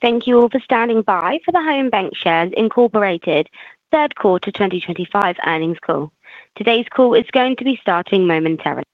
Thank you all for standing by for The Home BancShares, Inc. Third Quarter 2025 Earnings Call. Today's call is going to be starting momentarily.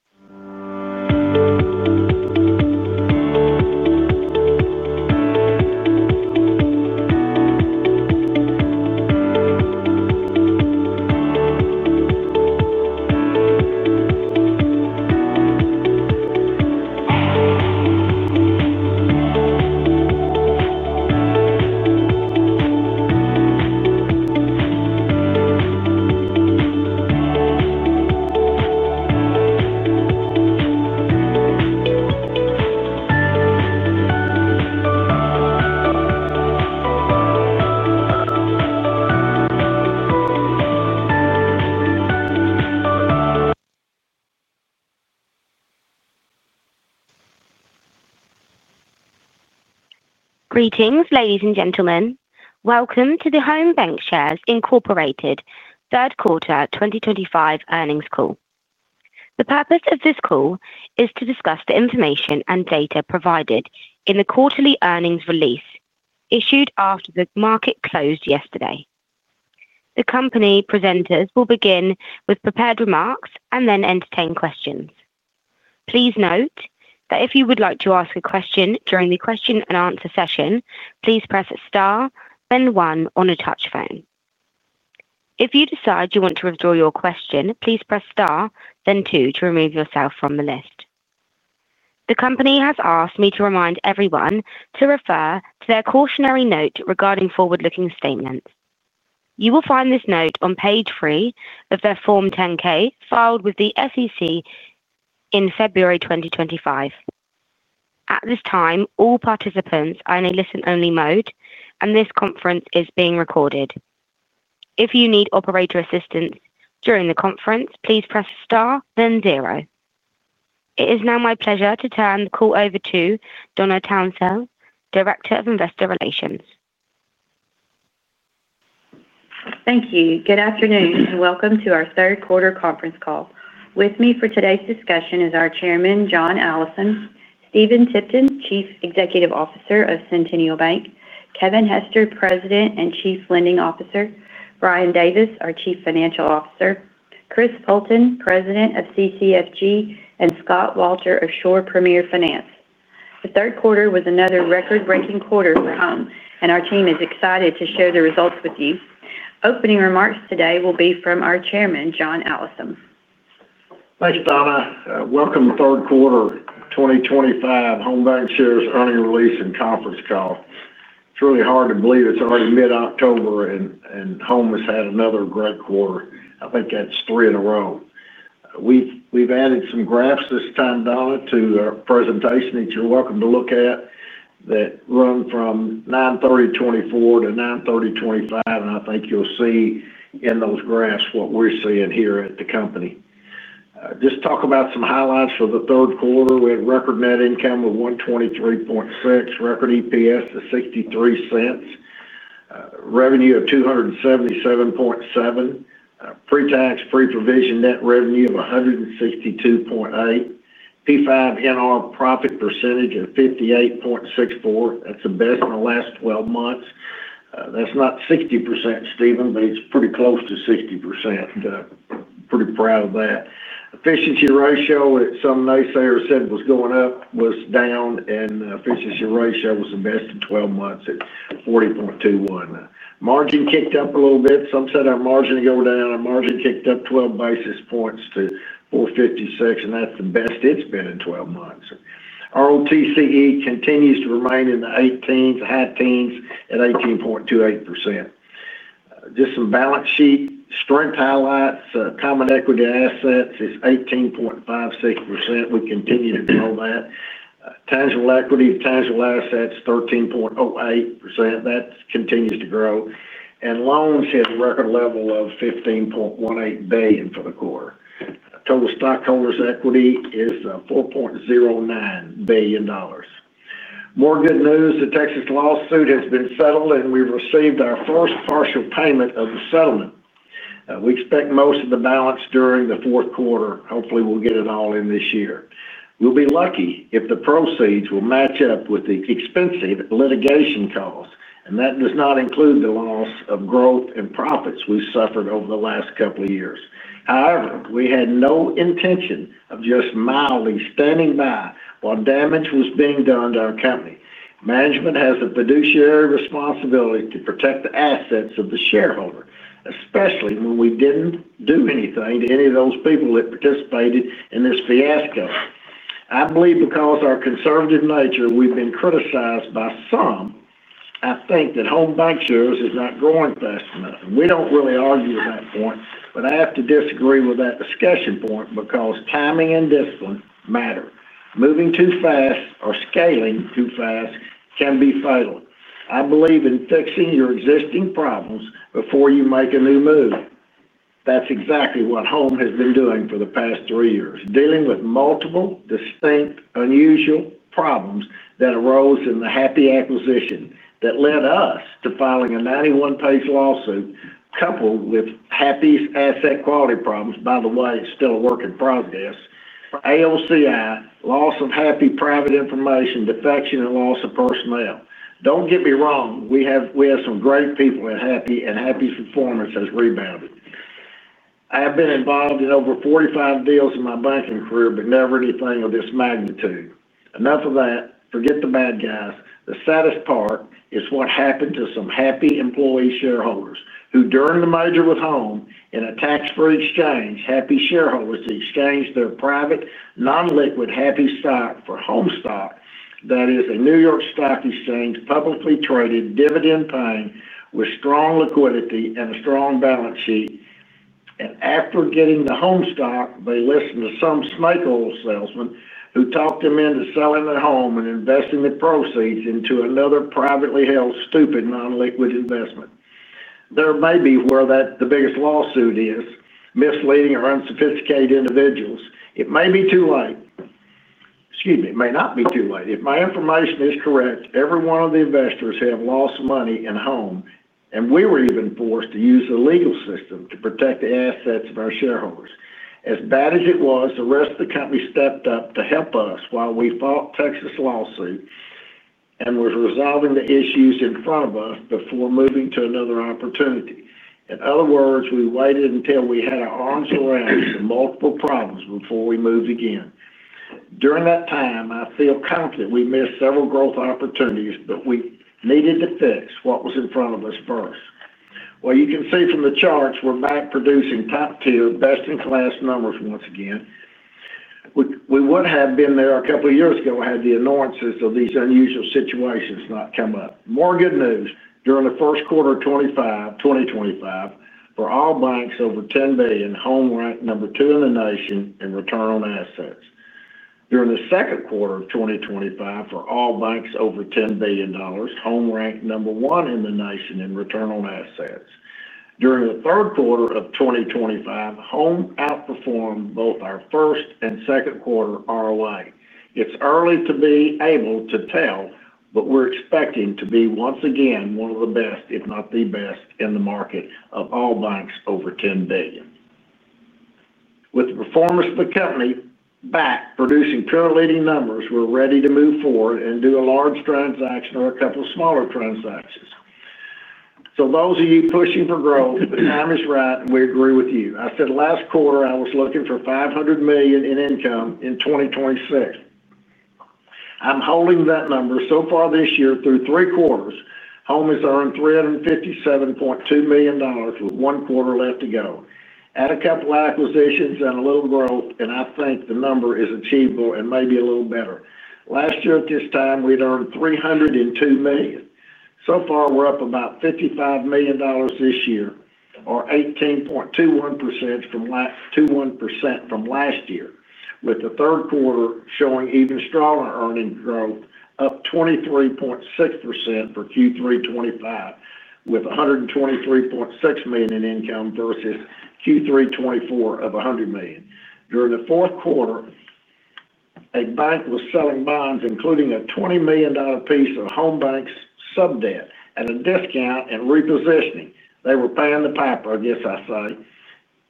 Greetings, ladies and gentlemen. Welcome to the Home BancShares, Inc. third quarter 2025 earnings call. The purpose of this call is to discuss the information and data provided in the quarterly earnings release issued after the market closed yesterday. The company presenters will begin with prepared remarks and then entertain questions. Please note that if you would like to ask a question during the question and answer session, please press star, then one on a touch phone. If you decide you want to withdraw your question, please press star, then two to remove yourself from the list. The company has asked me to remind everyone to refer to their cautionary note regarding forward-looking statements. You will find this note on page three of their Form 10-K filed with the SEC in February 2025. At this time, all participants are in a listen-only mode, and this conference is being recorded. If you need operator assistance during the conference, please press star, then zero. It is now my pleasure to turn the call over to Donna J. Townsell, Director of Investor Relations. Thank you. Good afternoon and welcome to our third quarter conference call. With me for today's discussion is our Chairman, John W. Allison, Stephen Tipton, Chief Executive Officer of Centennial Bank, Kevin D. Hester, President and Chief Lending Officer, Brian S. Davis, our Chief Financial Officer, Christopher C. Poulton, President of Centennial Commercial Finance Group, and Scott Walter, Shore Premier Finance. The third quarter was another record-breaking quarter for Home BancShares, Inc., and our team is excited to share the results with you. Opening remarks today will be from our Chairman, John W. Allison. Thanks, Donna. Welcome to the third quarter 2025 Home BancShares earnings release and conference call. It's really hard to believe it's already mid-October, and Home has had another great quarter. I think that's three in a row. We've added some graphs this time, Donna, to our presentation that you're welcome to look at that run from 9/30/2024 to 9/30/2025, and I think you'll see in those graphs what we're seeing here at the company. Just talk about some highlights for the third quarter. We had record net income of $123.6 million, record EPS of $0.63, revenue of $277.7 million, pre-tax, pre-provision net revenue of $162.8 million, P5 NR profit percentage of 58.64%. That's the best in the last 12 months. That's not 60%, Stephen, but it's pretty close to 60%. Pretty proud of that. Efficiency ratio, some naysayers said it was going up, was down, and the efficiency ratio was the best in 12 months at 40.21%. Margin kicked up a little bit. Some said our margin would go down. Our margin kicked up 12 basis points to 4.56%, and that's the best it's been in 12 months. ROTCE continues to remain in the high teens at 18.28%. Just some balance sheet strength highlights. Common equity assets is 18.56%. We continue to grow that. Tangible equity to tangible assets, 13.08%. That continues to grow. Loans hit a record level of $15.18 billion for the quarter. Total stockholders' equity is $4.09 billion. More good news. The Texas lawsuit has been settled, and we've received our first partial payment of the settlement. We expect most of the balance during the fourth quarter. Hopefully, we'll get it all in this year. We'll be lucky if the proceeds will match up with the expensive litigation costs, and that does not include the loss of growth and profits we've suffered over the last couple of years. However, we had no intention of just mildly standing by while damage was being done to our company. Management has a fiduciary responsibility to protect the assets of the shareholder, especially when we didn't do anything to any of those people that participated in this fiasco. I believe because of our conservative nature, we've been criticized by some. I think that Home BancShares is not growing fast enough. We don't really argue at that point, but I have to disagree with that discussion point because timing and discipline matter. Moving too fast or scaling too fast can be fatal. I believe in fixing your existing problems before you make a new move. That's exactly what Home has been doing for the past three years, dealing with multiple, distinct, unusual problems that arose in the HAPPI acquisition that led us to filing a 91-page lawsuit, coupled with HAPPI's asset quality problems. By the way, it's still a work in progress. AOCI, loss of HAPPI private information, defection, and loss of personnel. Don't get me wrong. We have some great people at HAPPI, and HAPPI's performance has rebounded. I have been involved in over 45 deals in my banking career, but never anything of this magnitude. Enough of that. Forget the bad guys. The saddest part is what happened to some HAPPI employee shareholders who, during the merger with Home, in a tax-free exchange, HAPPI shareholders exchanged their private, non-liquid HAPPI stock for Home stock. That is a New York Stock Exchange publicly traded dividend-paying with strong liquidity and a strong balance sheet. After getting the Home stock, they listened to some snake oil salesman who talked them into selling their home and investing the proceeds into another privately held stupid non-liquid investment. There may be where the biggest lawsuit is, misleading or unsophisticated individuals. It may be too late. Excuse me. It may not be too late. If my information is correct, every one of the investors has lost some money in Home, and we were even forced to use the legal system to protect the assets of our shareholders. As bad as it was, the rest of the company stepped up to help us while we fought the Texas lawsuit and were resolving the issues in front of us before moving to another opportunity. In other words, we waited until we had our arms around multiple problems before we moved again. During that time, I feel confident we missed several growth opportunities, but we needed to fix what was in front of us first. You can see from the charts we're back producing top tier, best-in-class numbers once again. We would have been there a couple of years ago had the annoyances of these unusual situations not come up. More good news. During the first quarter of 2025, for all banks over $10 billion, Home ranked number two in the nation in return on assets. During the second quarter of 2025, for all banks over $10 billion, Home ranked number one in the nation in return on assets. During the third quarter of 2025, Home outperformed both our first and second quarter ROI. It's early to be able to tell, but we're expecting to be once again one of the best, if not the best, in the market of all banks over $10 billion. With the performance of the company back producing current leading numbers, we're ready to move forward and do a large transaction or a couple of smaller transactions. Those of you pushing for growth, the time is right, and we agree with you. I said last quarter I was looking for $500 million in income in 2026. I'm holding that number. So far this year, through three quarters, Home has earned $357.2 million with one quarter left to go. Add a couple of acquisitions and a little growth, and I think the number is achievable and maybe a little better. Last year at this time, we'd earned $302 million. So far, we're up about $55 million this year, or 18.21% from last year, with the third quarter showing even stronger earning growth, up 23.6% for Q3 2025, with $123.6 million in income versus Q3 2024 of $100 million. During the fourth quarter, a bank was selling bonds, including a $20 million piece of Home BancShares' sub debt at a discount and repositioning. They were paying the piper, I guess I say,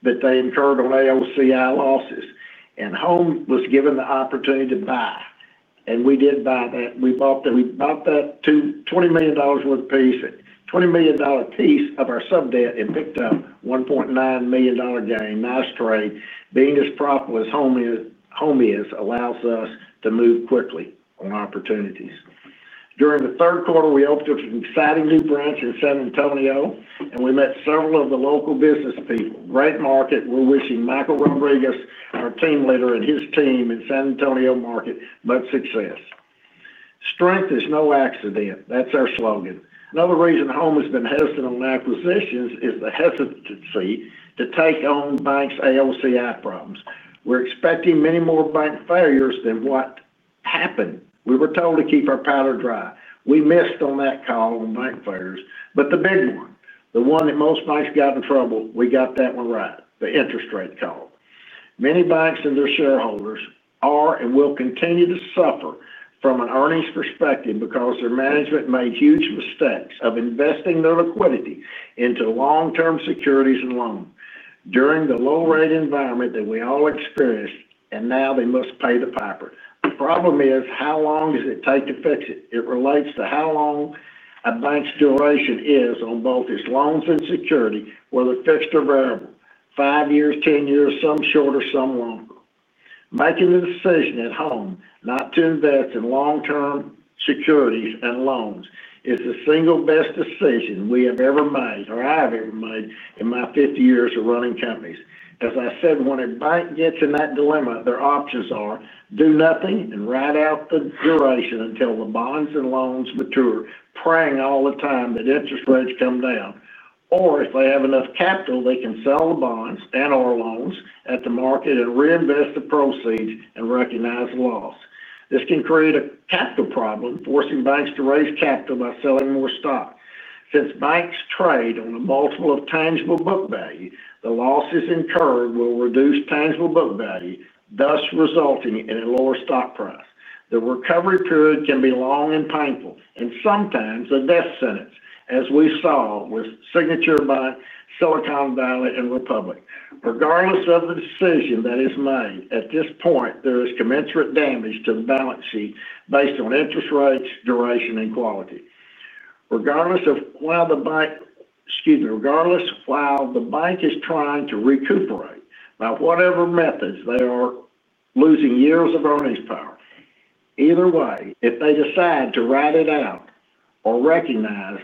that they incurred on AOCI losses, and Home was given the opportunity to buy. We did buy that. We bought that $20 million worth of piece, a $20 million piece of our sub debt, and picked up a $1.9 million gain. Nice trade. Being as profitable as Home is allows us to move quickly on opportunities. During the third quarter, we opened up an exciting new branch in San Antonio, and we met several of the local business people. Great market. We're wishing Michael Rodriguez, our team leader, and his team in the San Antonio market much success. Strength is no accident. That's our slogan. Another reason Home has been hesitant on acquisitions is the hesitancy to take Home BancShares' AOCI problems. We're expecting many more bank failures than what happened. We were told to keep our powder dry. We missed on that call on bank failures, but the big one, the one that most banks got in trouble, we got that one right, the interest rate call. Many banks and their shareholders are and will continue to suffer from an earnings perspective because their management made huge mistakes of investing their liquidity into long-term securities and loans during the low-rate environment that we all experienced, and now they must pay the piper. The problem is, how long does it take to fix it? It relates to how long a bank's duration is on both its loans and securities, whether fixed or variable, five years, ten years, some shorter, some longer. Making the decision at Home not to invest in long-term securities and loans is the single best decision we have ever made, or I have ever made in my 50 years of running companies. As I said, when a bank gets in that dilemma, their options are do nothing and ride out the duration until the bonds and loans mature, praying all the time that interest rates come down. If they have enough capital, they can sell the bonds and/or loans at the market and reinvest the proceeds and recognize the loss. This can create a capital problem, forcing banks to raise capital by selling more stock. Since banks trade on a multiple of tangible book value, the losses incurred will reduce tangible book value, thus resulting in a lower stock price. The recovery period can be long and painful and sometimes a death sentence, as we saw with the signature by Silicon Valley and Republic. Regardless of the decision that is made, at this point, there is commensurate damage to the balance sheet based on interest rates, duration, and quality. Regardless of why the bank is trying to recuperate by whatever methods, they are losing years of earnings power. Either way, if they decide to ride it out or recognize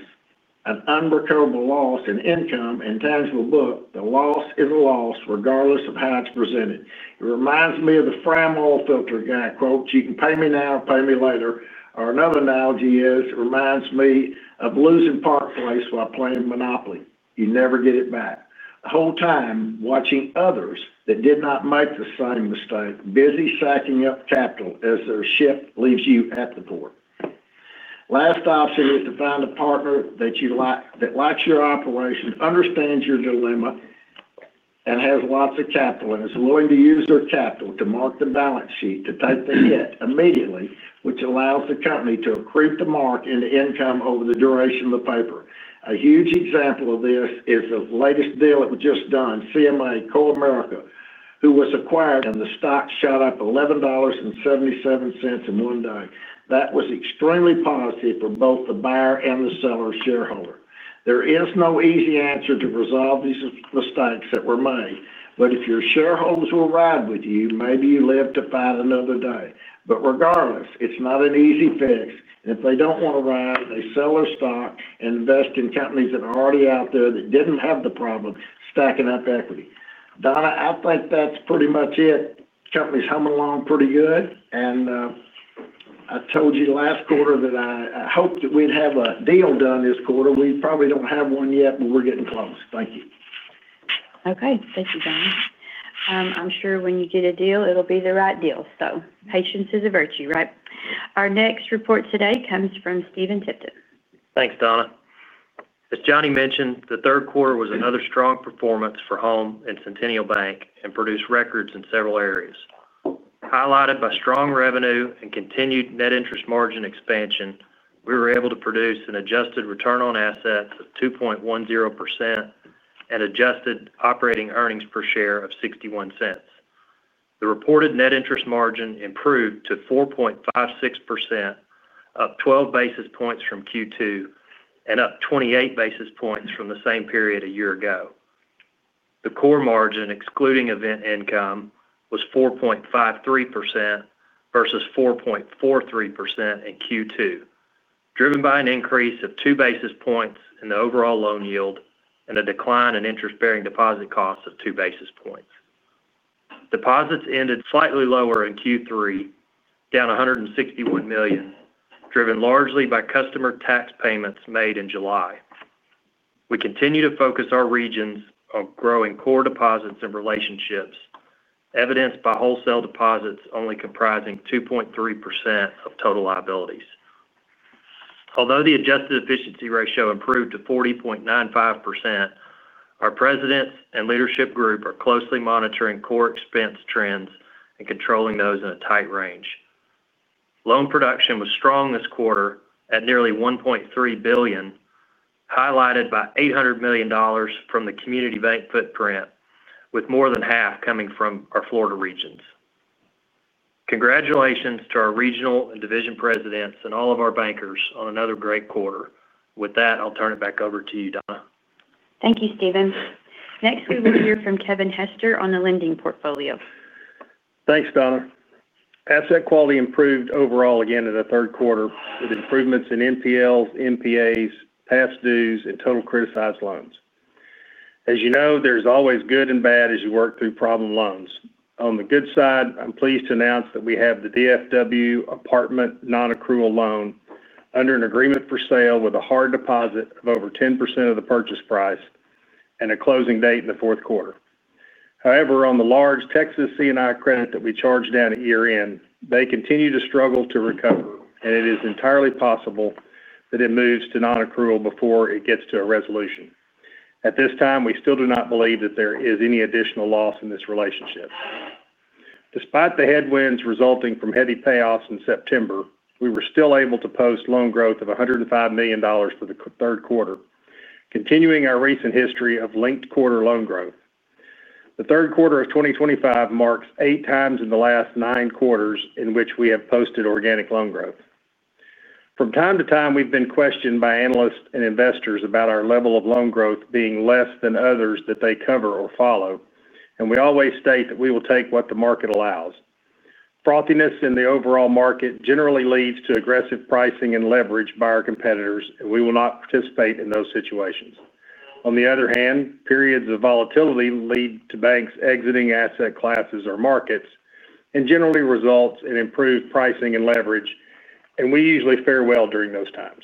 an unrecoverable loss in income and tangible book, the loss is a loss regardless of how it's presented. It reminds me of the Fram oil filter guy quote, "You can pay me now or pay me later." Another analogy is, it reminds me of losing Park Place while playing Monopoly. You never get it back. The whole time watching others that did not make the same mistake, busy sacking up capital as their ship leaves you at the port. Last option is to find a partner that likes your operation, understands your dilemma, and has lots of capital and is willing to use their capital to mark the balance sheet to take the hit immediately, which allows the company to creep the mark into income over the duration of the paper. A huge example of this is the latest deal that was just done, CMA-Core America, who was acquired, and the stock shot up $11.77 in one day. That was extremely positive for both the buyer and the seller shareholder. There is no easy answer to resolve these mistakes that were made. If your shareholders will ride with you, maybe you live to fight another day. Regardless, it's not an easy fix. If they don't want to ride, they sell their stock and invest in companies that are already out there that didn't have the problem stacking up equity. Donna, I think that's pretty much it. The company's humming along pretty good. I told you last quarter that I hoped that we'd have a deal done this quarter. We probably don't have one yet, but we're getting close. Thank you. Okay. Thank you, John. I'm sure when you get a deal, it'll be the right deal. Patience is a virtue, right? Our next report today comes from Stephen Tipton. Thanks, Donna. As Johnny mentioned, the third quarter was another strong performance for Home BancShares, Inc. and Centennial Bank and produced records in several areas. Highlighted by strong revenue and continued net interest margin expansion, we were able to produce an adjusted return on assets of 2.10% and adjusted operating earnings per share of $0.61. The reported net interest margin improved to 4.56%, up 12 basis points from Q2, and up 28 basis points from the same period a year ago. The core margin, excluding event income, was 4.53% versus 4.43% in Q2, driven by an increase of two basis points in the overall loan yield and a decline in interest-bearing deposit costs of two basis points. Deposits ended slightly lower in Q3, down $161 million, driven largely by customer tax payments made in July. We continue to focus our regions on growing core deposits and relationships, evidenced by wholesale deposits only comprising 2.3% of total liabilities. Although the adjusted efficiency ratio improved to 40.95%, our Presidents and leadership group are closely monitoring core expense trends and controlling those in a tight range. Loan production was strong this quarter at nearly $1.3 billion, highlighted by $800 million from the community bank footprint, with more than half coming from our Florida regions. Congratulations to our regional and division Presidents and all of our bankers on another great quarter. With that, I'll turn it back over to you, Donna. Thank you, Stephen. Next, we will hear from Kevin D. Hester on the lending portfolio. Thanks, Donna. Asset quality improved overall again in the third quarter with improvements in NPLs, NPAs, past dues, and total criticized loans. As you know, there's always good and bad as you work through problem loans. On the good side, I'm pleased to announce that we have the DFW apartment non-accrual loan under an agreement for sale with a hard deposit of over 10% of the purchase price and a closing date in the fourth quarter. However, on the large Texas C&I credit that we charged down year-end, they continue to struggle to recover, and it is entirely possible that it moves to non-accrual before it gets to a resolution. At this time, we still do not believe that there is any additional loss in this relationship. Despite the headwinds resulting from heavy payoffs in September, we were still able to post loan growth of $105 million for the third quarter, continuing our recent history of linked quarter loan growth. The third quarter of 2025 marks eight times in the last nine quarters in which we have posted organic loan growth. From time to time, we've been questioned by analysts and investors about our level of loan growth being less than others that they cover or follow, and we always state that we will take what the market allows. Frothiness in the overall market generally leads to aggressive pricing and leverage by our competitors, and we will not participate in those situations. On the other hand, periods of volatility lead to banks exiting asset classes or markets and generally result in improved pricing and leverage, and we usually fare well during those times.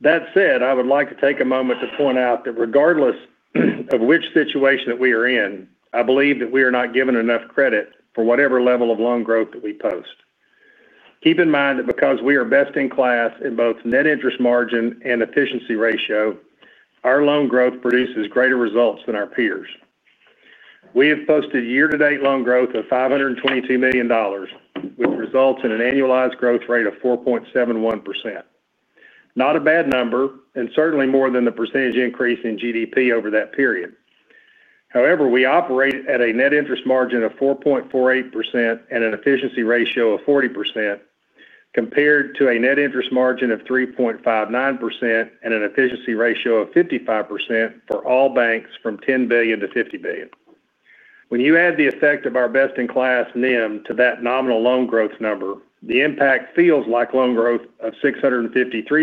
That said, I would like to take a moment to point out that regardless of which situation that we are in, I believe that we are not given enough credit for whatever level of loan growth that we post. Keep in mind that because we are best in class in both net interest margin and efficiency ratio, our loan growth produces greater results than our peers. We have posted year-to-date loan growth of $522 million, with results in an annualized growth rate of 4.71%. Not a bad number and certainly more than the percentage increase in GDP over that period. However, we operate at a net interest margin of 4.48% and an efficiency ratio of 40% compared to a net interest margin of 3.59% and an efficiency ratio of 55% for all banks from $10 billion-$50 billion. When you add the effect of our best-in-class NIM to that nominal loan growth number, the impact feels like loan growth of $653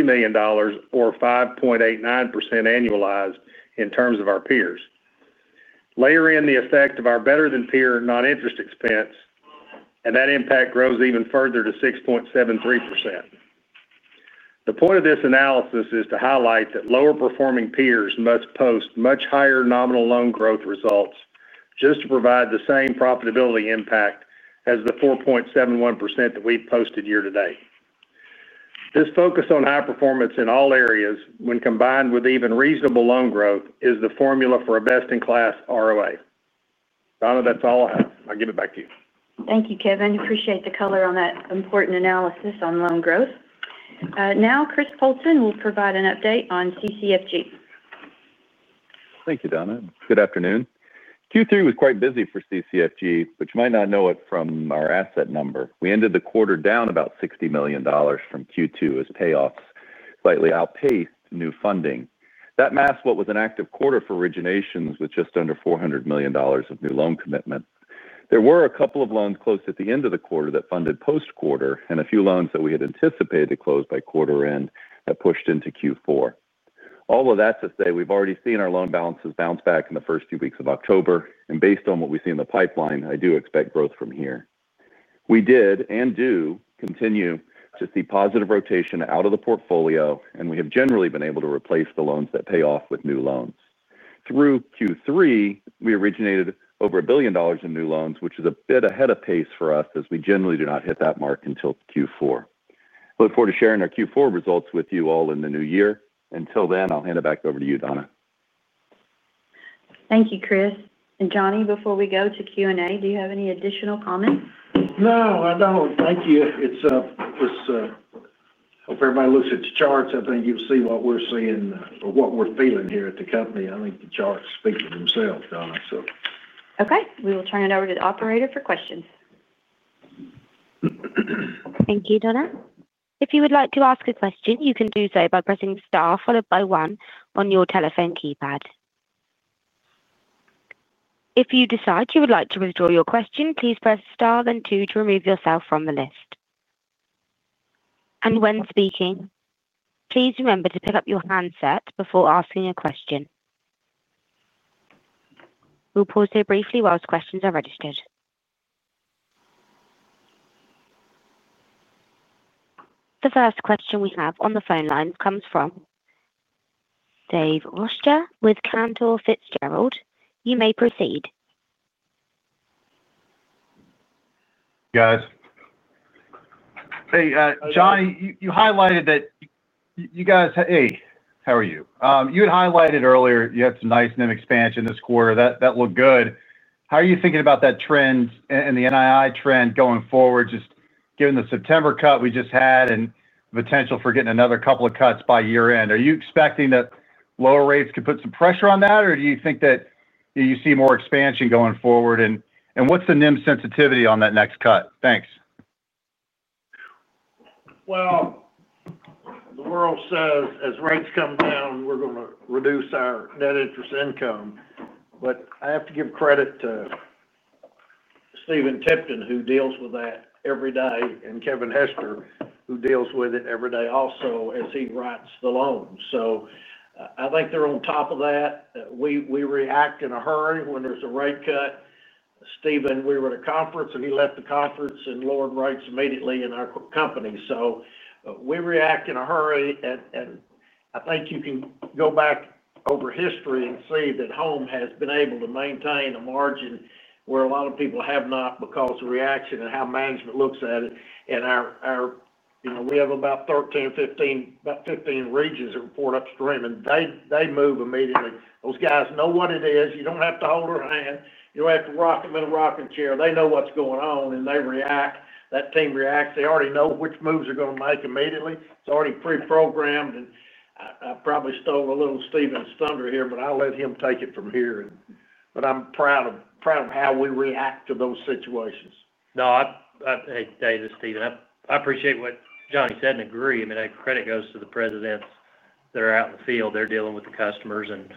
million or 5.89% annualized in terms of our peers. Layer in the effect of our better-than-peer non-interest expense, and that impact grows even further to 6.73%. The point of this analysis is to highlight that lower-performing peers must post much higher nominal loan growth results just to provide the same profitability impact as the 4.71% that we've posted year to date. This focus on high performance in all areas, when combined with even reasonable loan growth, is the formula for a best-in-class ROA. Donna, that's all I have. I'll give it back to you. Thank you, Kevin. I appreciate the color on that important analysis on loan growth. Now, Christopher C. Poulton will provide an update on Centennial Commercial Finance Group. Thank you, Donna. Good afternoon. Q3 was quite busy for CCFG, but you might not know it from our asset number. We ended the quarter down about $60 million from Q2 as payoffs slightly outpaced new funding. That masked what was an active quarter for originations with just under $400 million of new loan commitment. There were a couple of loans closed at the end of the quarter that funded post-quarter, and a few loans that we had anticipated to close by quarter end that pushed into Q4. All of that to say we've already seen our loan balances bounce back in the first two weeks of October, and based on what we see in the pipeline, I do expect growth from here. We did and do continue to see positive rotation out of the portfolio, and we have generally been able to replace the loans that pay off with new loans. Through Q3, we originated over $1 billion in new loans, which is a bit ahead of pace for us as we generally do not hit that mark until Q4. I look forward to sharing our Q4 results with you all in the new year. Until then, I'll hand it back over to you, Donna. Thank you, Chris. Johnny, before we go to Q&A, do you have any additional comments? No, I don't. Thank you. I hope everybody looks at the charts. I think you'll see what we're seeing or what we're feeling here at the company. I think the charts speak for themselves, Donna. Okay, we will turn it over to the operator for questions. Thank you, Donna. If you would like to ask a question, you can do so by pressing star followed by one on your telephone keypad. If you decide you would like to withdraw your question, please press star then two to remove yourself from the list. When speaking, please remember to pick up your handset before asking a question. We'll pause here briefly whilst questions are registered. The first question we have on the phone line comes from Dave Roescher with Cantor Fitzgerald. You may proceed. Hey, Johnny, you highlighted that you guys had some nice NIM expansion this quarter. That looked good. How are you thinking about that trend and the NII trend going forward, just given the September cut we just had and the potential for getting another couple of cuts by year end? Are you expecting that lower rates could put some pressure on that, or do you think that you see more expansion going forward? What's the NIM sensitivity on that next cut? Thanks. The world says as rates come down, we're going to reduce our net interest income. I have to give credit to Stephen Tipton, who deals with that every day, and Kevin D. Hester, who deals with it every day also as he writes the loans. I think they're on top of that. We react in a hurry when there's a rate cut. Stephen, we were at a conference, and he left the conference and lowered rates immediately in our company. We react in a hurry. I think you can go back over history and see that Home BancShares has been able to maintain a margin where a lot of people have not because of reaction and how management looks at it. We have about 13, 15, about 15 regions that report upstream, and they move immediately. Those guys know what it is. You don't have to hold their hand. You don't have to rock them in a rocking chair. They know what's going on, and they react. That team reacts. They already know which moves they're going to make immediately. It's already pre-programmed. I probably stole a little Stephen's thunder here, but I'll let him take it from here. I'm proud of how we react to those situations. No, I thank you, David, Stephen. I appreciate what Johnny said and agree. I mean, that credit goes to the Presidents that are out in the field. They're dealing with the customers, and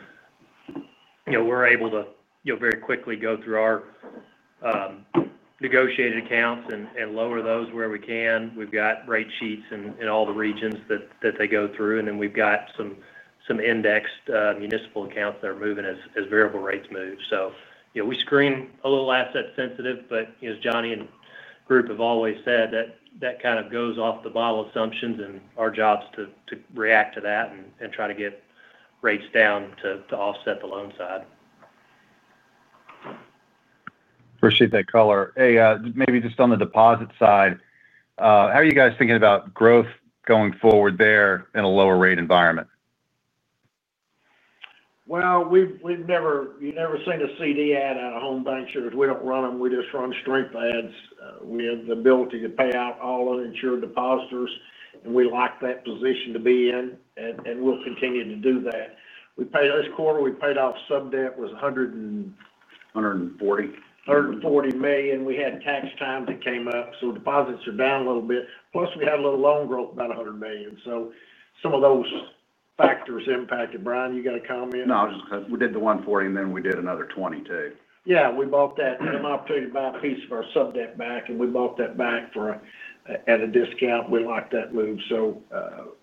you know we're able to very quickly go through our negotiated accounts and lower those where we can. We've got rate sheets in all the regions that they go through, and then we've got some indexed municipal accounts that are moving as variable rates move. You know we screen a little asset-sensitive, but as Johnny and the group have always said, that kind of goes off the bottle assumptions, and our job is to react to that and try to get rates down to offset the loan side. Appreciate that color. Maybe just on the deposit side, how are you guys thinking about growth going forward there in a lower-rate environment? We've never seen a CD ad on Home BancShares. We don't run them. We just run strength ads. We have the ability to pay out all uninsured depositors, and we like that position to be in, and we'll continue to do that. We paid this quarter, we paid off sub debt, it was $140 million. 140 million. $140 million. We had tax times that came up, so deposits are down a little bit. Plus, we had a little loan growth, about $100 million. Some of those factors impacted. Brian, you got a comment? No, I was just going to say we did the $140 million and then we did another $20 million too. Yeah, we bought that. We had an opportunity to buy a piece of our sub debt back, and we bought that back at a discount. We liked that move.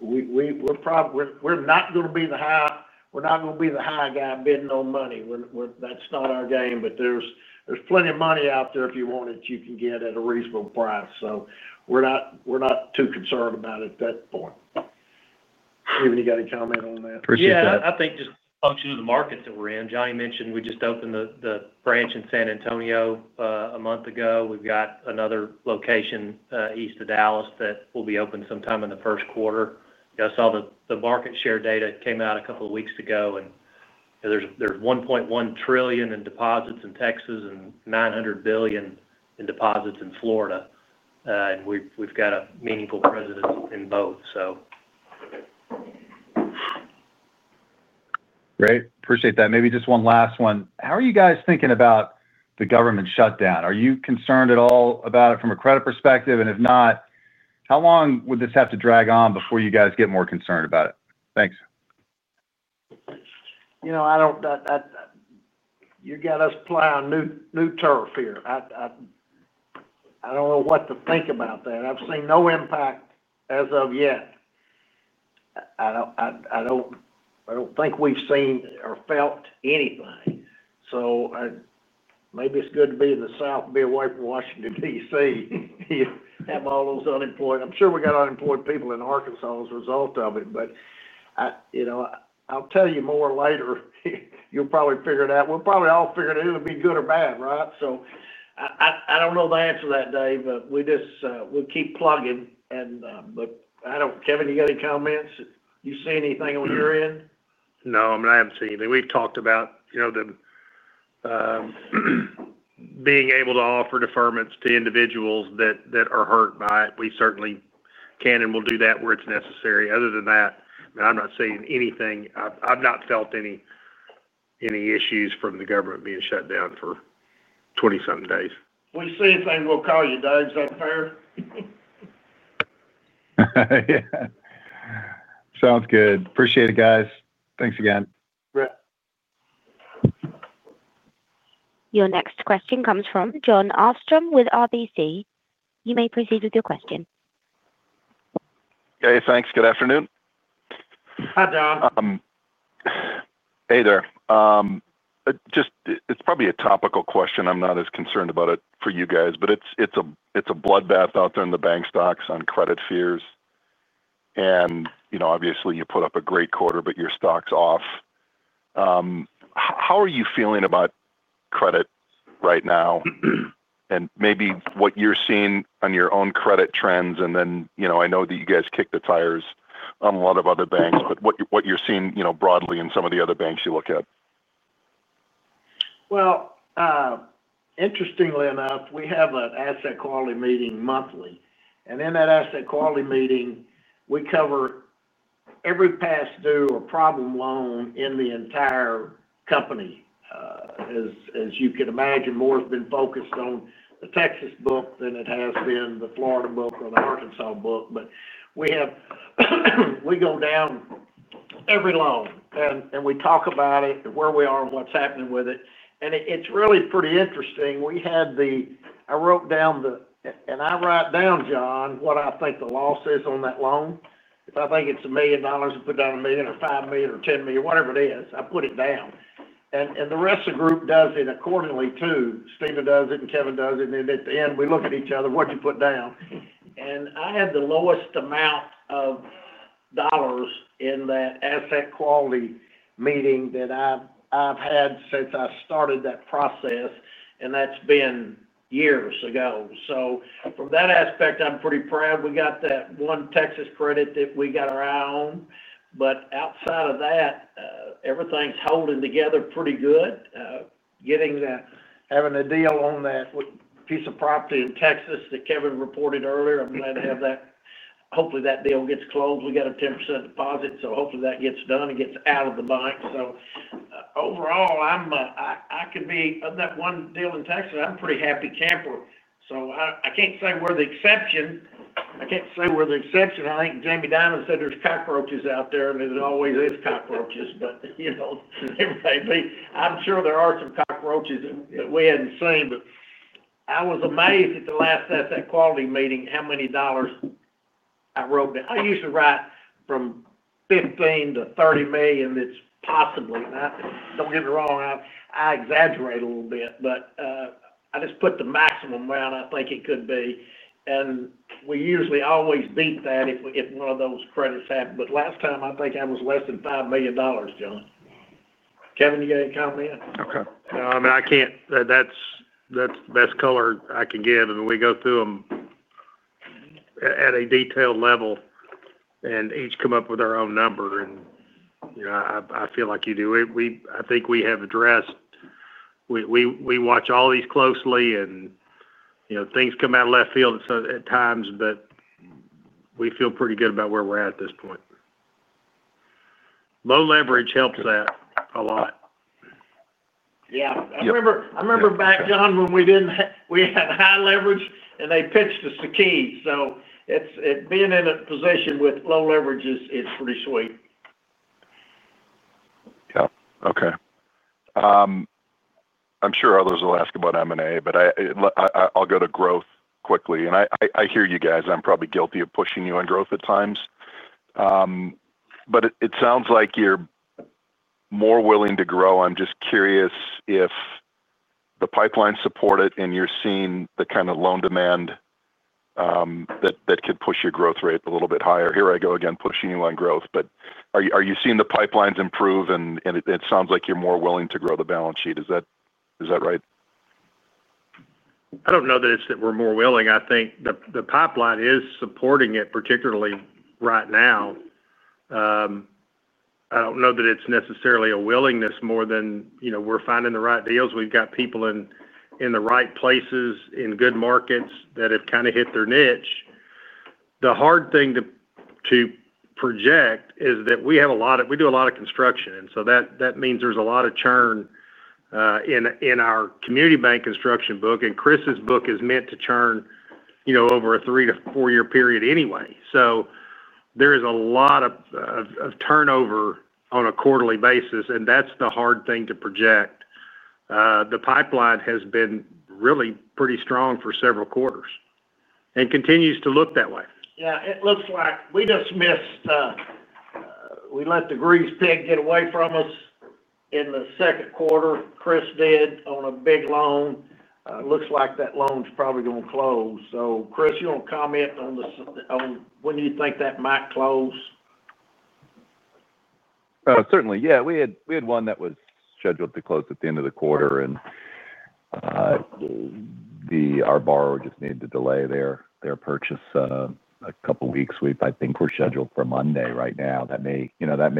We're probably not going to be the high. We're not going to be the high guy bidding on money. That's not our game. There's plenty of money out there if you want it, you can get at a reasonable price. We're not too concerned about it at that point. Stephen, you got any comment on that? Yeah, I think just function of the market that we're in. Johnny mentioned we just opened the branch in San Antonio a month ago. We've got another location east of Dallas that will be open sometime in the first quarter. I saw the market share data came out a couple of weeks ago, and there's $1.1 trillion in deposits in Texas and $900 billion in deposits in Florida. We've got a meaningful presence in both. Great. Appreciate that. Maybe just one last one. How are you guys thinking about the government shutdown? Are you concerned at all about it from a credit perspective? If not, how long would this have to drag on before you guys get more concerned about it? Thanks. You got us playing new turf here. I don't know what to think about that. I've seen no impact as of yet. I don't think we've seen or felt anything. Maybe it's good to be in the South and be away from Washington, D.C. You have all those unemployed. I'm sure we got unemployed people in Arkansas as a result of it. I'll tell you more later. You'll probably figure it out. We'll probably all figure it out. It'll be good or bad, right? I don't know the answer to that, Dave, we just keep plugging. Kevin, you got any comments? You see anything on your end? No, I mean, I haven't seen anything. We've talked about, you know, being able to offer deferments to individuals that are hurt by it. We certainly can and will do that where it's necessary. Other than that, I mean, I'm not seeing anything. I've not felt any issues from the government being shut down for 20-something days. We see things, we'll call you, Dave. Is that fair? Yeah. Sounds good. Appreciate it, guys. Thanks again. Great. Your next question comes from Jon Glenn Arfstrom with RBC. You may proceed with your question. Hey, thanks. Good afternoon. Hi, John. Hey there. It's probably a topical question. I'm not as concerned about it for you guys, but it's a bloodbath out there in the bank stocks on credit fears. You know, obviously, you put up a great quarter, but your stock's off. How are you feeling about credit right now? Maybe what you're seeing on your own credit trends, and then, you know, I know that you guys kicked the tires on a lot of other banks, but what you're seeing broadly in some of the other banks you look at? Interestingly enough, we have an asset quality meeting monthly. In that asset quality meeting, we cover every past due or problem loan in the entire company. As you can imagine, more has been focused on the Texas book than it has been the Florida book or the Arkansas book. We go down every loan, and we talk about it, where we are, and what's happening with it. It's really pretty interesting. I wrote down, and I write down, John, what I think the loss is on that loan. If I think it's $1 million, I put down $1 million or $5 million or $10 million, whatever it is, I put it down. The rest of the group does it accordingly too. Stephen does it and Kevin does it. At the end, we look at each other, what did you put down? I had the lowest amount of dollars in that asset quality meeting that I've had since I started that process, and that's been years ago. From that aspect, I'm pretty proud we got that one Texas credit that we got our eye on. Outside of that, everything's holding together pretty good. Getting that, having a deal on that piece of property in Texas that Kevin reported earlier, I'm glad to have that. Hopefully, that deal gets closed. We got a 10% deposit, so hopefully that gets done and gets out of the bank. Overall, I could be on that one deal in Texas. I'm a pretty happy camper. I can't say we're the exception. I think Jamie Dimon said there's cockroaches out there, and there always is cockroaches, but you know, there may be. I'm sure there are some cockroaches that we hadn't seen. I was amazed at the last asset quality meeting how many dollars I wrote down. I usually write from $15 million to $30 million. It's possibly, and don't get me wrong, I exaggerate a little bit, but I just put the maximum amount I think it could be. We usually always beat that if one of those credits happens. Last time, I think I was less than $5 million, John. Kevin, you got any comment? No, I mean, I can't, that's the best color I can give. We go through them at a detailed level and each come up with our own number. You know, I feel like you do. I think we have addressed, we watch all these closely, and things come out of left field at times, but we feel pretty good about where we're at at this point. Low leverage helps that a lot. Yeah, I remember back, John, when we didn't have, we had high leverage, and they pitched us the key. Being in a position with low leverage is pretty sweet. Yeah. Okay. I'm sure others will ask about M&A, but I'll go to growth quickly. I hear you guys. I'm probably guilty of pushing you on growth at times. It sounds like you're more willing to grow. I'm just curious if the pipeline supports it and you're seeing the kind of loan demand that could push your growth rate a little bit higher. Here I go again, pushing you on growth. Are you seeing the pipelines improve? It sounds like you're more willing to grow the balance sheet. Is that right? I don't know that it's that we're more willing. I think the pipeline is supporting it, particularly right now. I don't know that it's necessarily a willingness more than, you know, we're finding the right deals. We've got people in the right places in good markets that have kind of hit their niche. The hard thing to project is that we do a lot of construction. That means there's a lot of churn in our community bank construction book. Chris's book is meant to churn, you know, over a three to four-year period anyway. There is a lot of turnover on a quarterly basis, and that's the hard thing to project. The pipeline has been really pretty strong for several quarters and continues to look that way. Yeah, it looks like we just missed, we let the grease pig get away from us in the second quarter. Chris did on a big loan. It looks like that loan's probably going to close. Chris, you want to comment on when you think that might close? Certainly. We had one that was scheduled to close at the end of the quarter, and our borrower just needed to delay their purchase a couple of weeks. I think we're scheduled for Monday right now. That may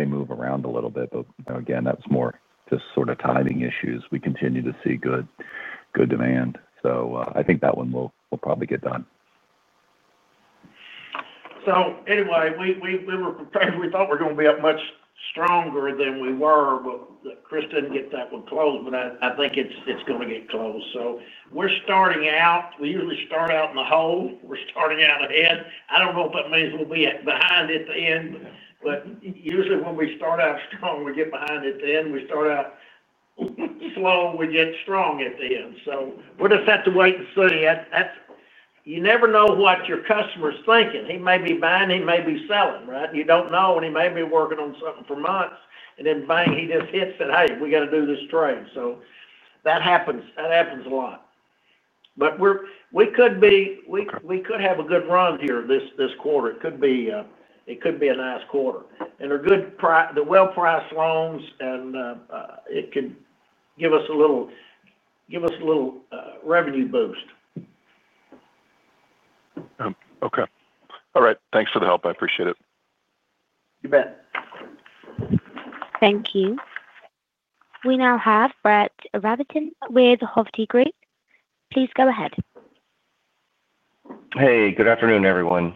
move around a little bit, but again, that's more just sort of timing issues. We continue to see good demand. I think that one will probably get done. Anyway, we were prepared. We thought we were going to be up much stronger than we were, but Chris didn't get that one closed. I think it's going to get closed. We're starting out, we usually start out in the hole. We're starting out ahead. I don't know if that means we'll be behind at the end. Usually, when we start out strong, we get behind at the end. We start out slow, we get strong at the end. We just have to wait and see. You never know what your customer's thinking. He may be buying, he may be selling, right? You don't know. He may be working on something for months, and then bang, he just hits it. Hey, we got to do this trade. That happens. That happens a lot. We could have a good run here this quarter. It could be a nice quarter. They're good, well-priced loans, and it could give us a little revenue boost. Okay. All right. Thanks for the help. I appreciate it. You bet. Thank you. We now have Brett D. Rabatin with Hovde Group. Please go ahead. Hey, good afternoon, everyone.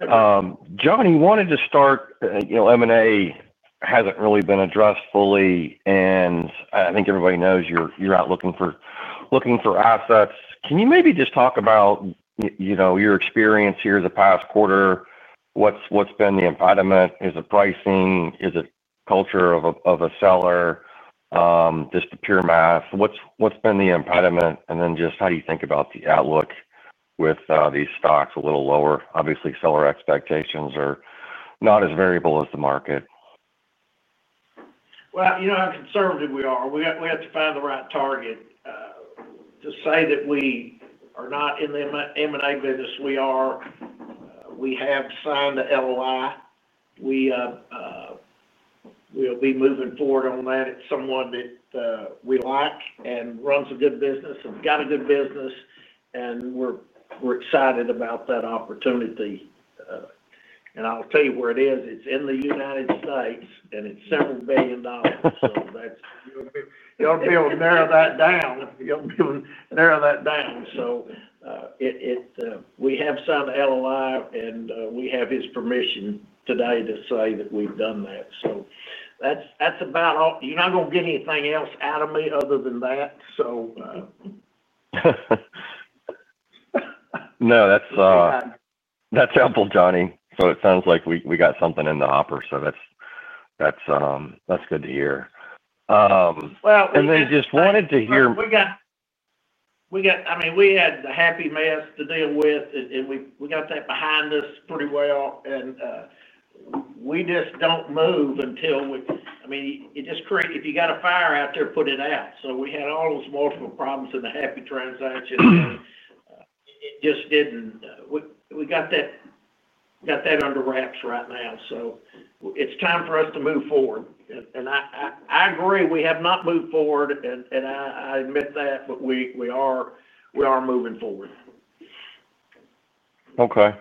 John, he wanted to start, you know, M&A hasn't really been addressed fully, and I think everybody knows you're out looking for assets. Can you maybe just talk about your experience here the past quarter? What's been the impediment? Is it pricing? Is it culture of a seller? Just the pure math. What's been the impediment? How do you think about the outlook with these stocks a little lower? Obviously, seller expectations are not as variable as the market. You know how conservative we are. We have to find the right target. To say that we are not in the M&A business, we are. We have signed the letter of intent. We'll be moving forward on that. It's someone that we like and runs a good business and has got a good business. We're excited about that opportunity. I'll tell you where it is. It's in the United States, and it's several billion dollars. You ought to be able to narrow that down. You ought to be able to narrow that down. We have signed the letter of intent, and we have his permission today to say that we've done that. That's about all. You're not going to get anything else out of me other than that. No, that's helpful, Johnny. It sounds like we got something in the opera. That's good to hear. We got. I just wanted to hear. We had the HAPPI mess to deal with, and we got that behind us pretty well. We just don't move until we, I mean, you just create, if you got a fire out there, put it out. We had all those multiple problems in the HAPPI transaction, and it just didn't, we got that under wraps right now. It's time for us to move forward. I agree, we have not moved forward, and I admit that, but we are moving forward. Okay.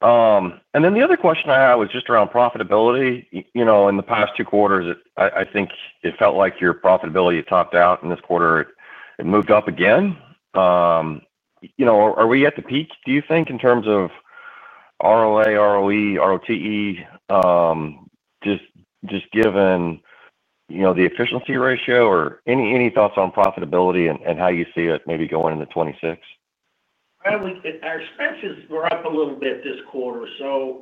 The other question I had was just around profitability. You know, in the past two quarters, I think it felt like your profitability had topped out. In this quarter, it moved up again. You know, are we at the peak, do you think, in terms of ROA, ROE, ROTE, just given, you know, the efficiency ratio or any thoughts on profitability and how you see it maybe going into 2026? Our expenses were up a little bit this quarter.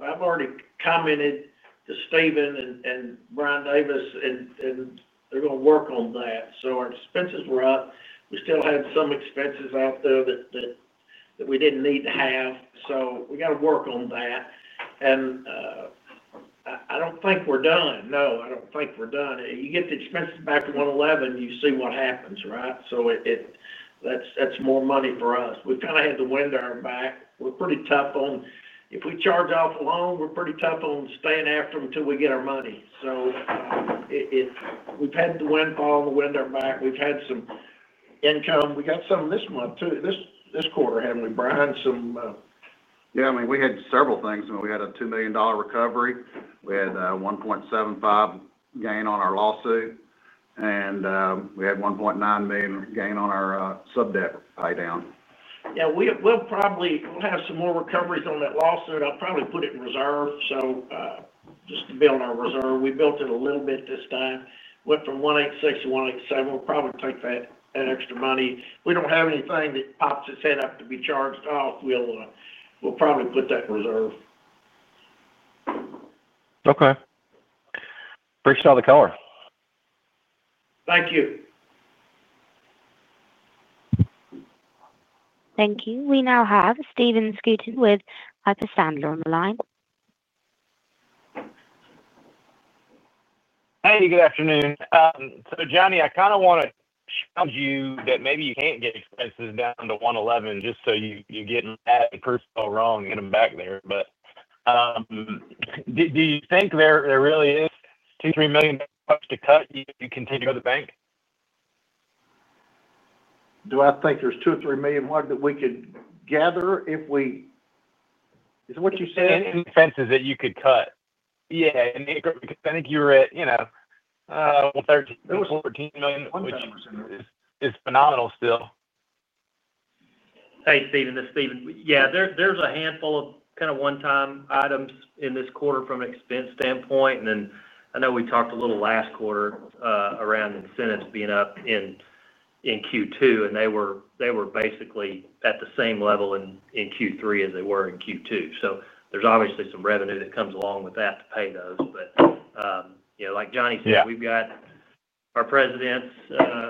I've already commented to Stephen Tipton and Brian S. Davis, and they're going to work on that. Our expenses were up. We still had some expenses out there that we didn't need to have. We got to work on that. I don't think we're done. No, I don't think we're done. You get the expenses back to $111 million, you see what happens, right? That's more money for us. We've kind of had the wind in our back. We're pretty tough on, if we charge off a loan, we're pretty tough on staying after them until we get our money. We've had the wind fall on the wind in our back. We've had some income. We got some this month too. This quarter, haven't we, Brian? Yeah, I mean, we had several things. We had a $2 million recovery, a $1.75 million gain on our lawsuit, and a $1.9 million gain on our sub debt pay down. We'll probably have some more recoveries on that lawsuit. I'll probably put it in reserve just to be on our reserve. We built it a little bit this time. Went from $186 million-$187 million. We'll probably take that extra money. We don't have anything that pops its head up to be charged off. We'll probably put that in reserve. Okay. Appreciate all the color. Thank you. Thank you. We now have Stephen Kendall Scouten with Piper Sandler on the line. Hey, good afternoon. Johnny, I kind of want to challenge you that maybe you can't get expenses down to $111 million just so you get that proof all wrong and get them back there. Do you think there really is $2 million, $3 million to cut if you continue to go to the bank? Do I think there's $2 million or $3 million that we could gather if we, is that what you said? Any expenses that you could cut? Yeah, because I think you were at, you know, it was $14 million, which is phenomenal still. Hey, Stephen. This is Stephen. Yeah, there's a handful of kind of one-time items in this quarter from an expense standpoint. I know we talked a little last quarter around incentives being up in Q2, and they were basically at the same level in Q3 as they were in Q2. There's obviously some revenue that comes along with that to pay those. Like Johnny said, we've got our presidents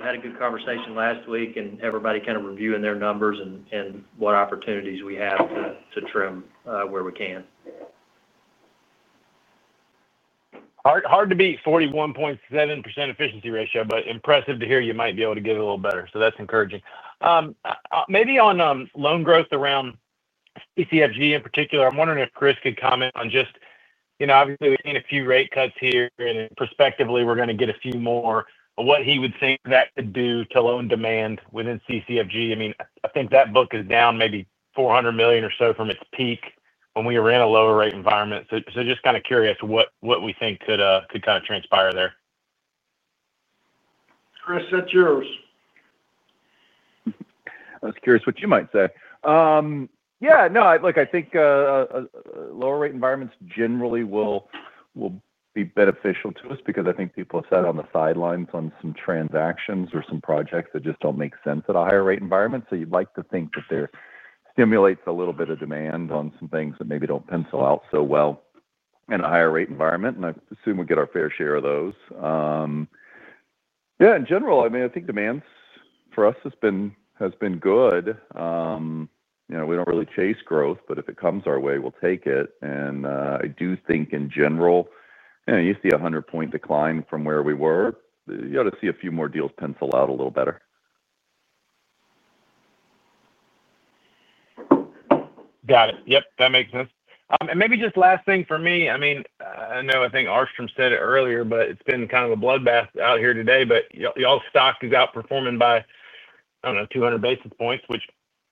had a good conversation last week and everybody kind of reviewing their numbers and what opportunities we have to trim where we can. Hard to beat 41.7% efficiency ratio, but impressive to hear you might be able to get it a little better. That's encouraging. Maybe on loan growth around Centennial Commercial Finance Group in particular, I'm wondering if Chris could comment on just, you know, obviously we've seen a few rate cuts here, and then prospectively we're going to get a few more of what he would think that could do to loan demand within Centennial Commercial Finance Group. I mean, I think that book is down maybe $400 million or so from its peak when we were in a lower rate environment. Just kind of curious what we think could kind of transpire there. Chris, that's yours. I was curious what you might say. No, I think lower rate environments generally will be beneficial to us because I think people have sat on the sidelines on some transactions or some projects that just don't make sense at a higher rate environment. You'd like to think that there stimulates a little bit of demand on some things that maybe don't pencil out so well in a higher rate environment. I assume we get our fair share of those. In general, I think demand for us has been good. We don't really chase growth, but if it comes our way, we'll take it. I do think in general, you see a 100-point decline from where we were. You ought to see a few more deals pencil out a little better. Got it. Yep, that makes sense. Maybe just last thing for me. I know I think Arfstrom said it earlier, but it's been kind of a bloodbath out here today. Y'all's stock is outperforming by, I don't know, 200 basis points, which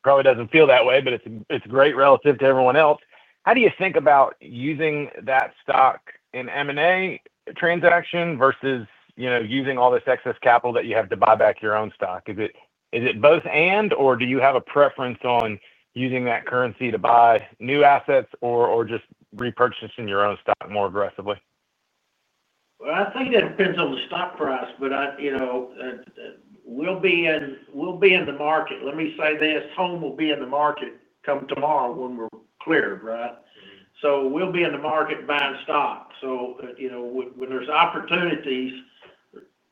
probably doesn't feel that way, but it's great relative to everyone else. How do you think about using that stock in an M&A transaction versus, you know, using all this excess capital that you have to buy back your own stock? Is it both/and? Do you have a preference on using that currency to buy new assets or just repurchasing your own stock more aggressively? I think that depends on the stock price. I, you know, we'll be in the market. Let me say this. Home will be in the market come tomorrow when we're cleared, right? We'll be in the market buying stock. You know, when there's opportunities,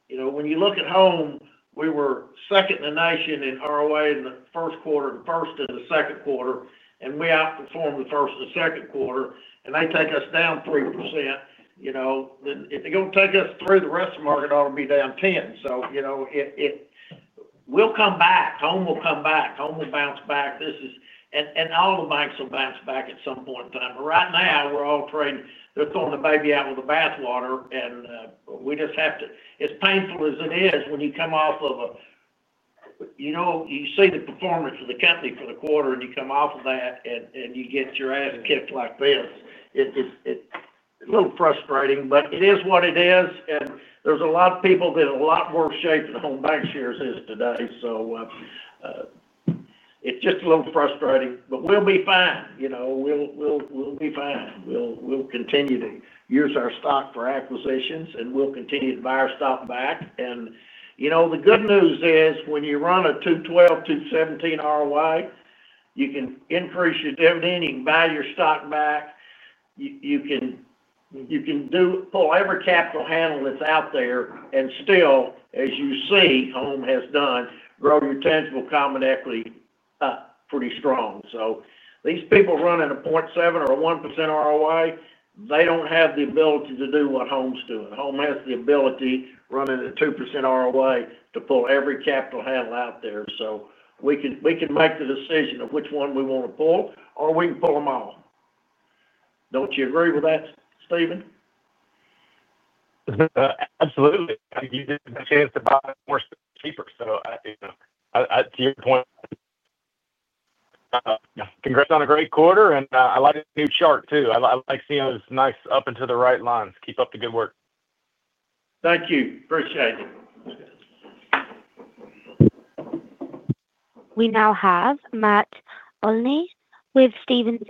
you know, when you look at Home, we were second in the nation in ROA in the first quarter and first in the second quarter. We outperformed the first and second quarter. They take us down 3%. If they're going to take us through the rest of the market, I ought to be down 10%. We'll come back. Home will come back. Home will bounce back. This is, and all the banks will bounce back at some point in time. Right now, we're all trading. They're throwing the baby out with the bathwater. We just have to, as painful as it is, when you come off of a, you know, you see the performance of the company for the quarter and you come off of that and you get your ass kicked like this. It's a little frustrating, but it is what it is. There's a lot of people that are in a lot worse shape than Home BancShares is today. It's just a little frustrating. We'll be fine. You know, we'll be fine. We'll continue to use our stock for acquisitions, and we'll continue to buy our stock back. You know, the good news is when you run a 2.12%, 2.17% ROA, you can increase your dividend. You can buy your stock back. You can pull every capital handle that's out there. Still, as you see, Home has done grow your tangible common equity up pretty strong. These people running a 0.7% or a 1% ROA, they don't have the ability to do what Home's doing. Home has the ability running a 2% ROA to pull every capital handle out there. We can make the decision of which one we want to pull, or we can pull them all. Don't you agree with that, Stephen? Absolutely. You didn't get a chance to buy it. We're still cheaper. To your point, congrats on a great quarter. I like the new chart too. I like seeing those nice up into the right lines. Keep up the good work. Thank you. Appreciate it. We now have Matt Olney with Stephens.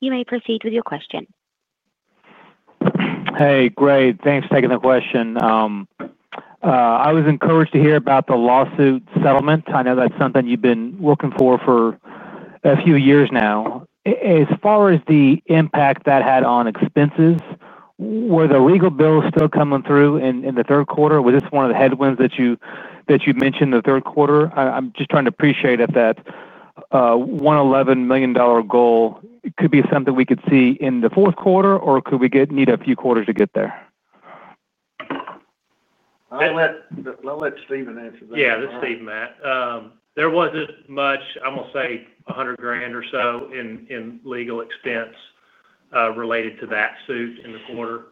You may proceed with your question. Hey, great. Thanks for taking the question. I was encouraged to hear about the lawsuit settlement. I know that's something you've been looking for for a few years now. As far as the impact that had on expenses, were the legal bills still coming through in the third quarter? Was this one of the headwinds that you mentioned in the third quarter? I'm just trying to appreciate if that $111 million goal could be something we could see in the fourth quarter, or could we need a few quarters to get there? Let's let Stephen answer that. Yeah, that's Stephen, Matt. There wasn't much, I'm going to say, $100,000 or so in legal expense related to that suit in the quarter.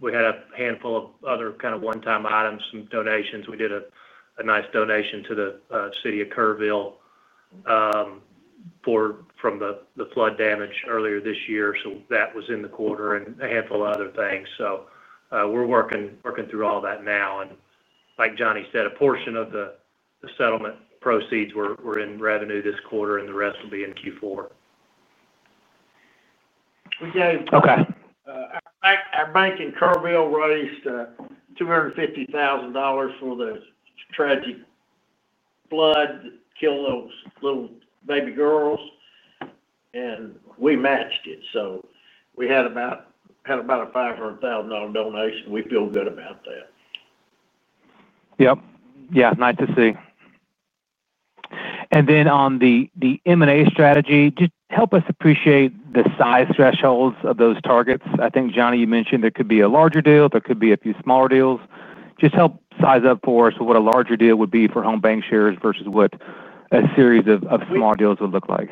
We had a handful of other kind of one-time items, some donations. We did a nice donation to the City of Kerrville from the flood damage earlier this year. That was in the quarter and a handful of other things. We're working through all that now. Like Johnny said, a portion of the settlement proceeds were in revenue this quarter, and the rest will be in Q4. Okay. Our bank in Kerrville raised $250,000 for the tragic flood that killed those little baby girls, and we matched it. We had about a $500,000 donation. We feel good about that. Yep. Yeah, nice to see. On the M&A strategy, just help us appreciate the size thresholds of those targets. I think, Johnny, you mentioned there could be a larger deal. There could be a few smaller deals. Just help size up for us what a larger deal would be for Home BancShares versus what a series of smaller deals would look like.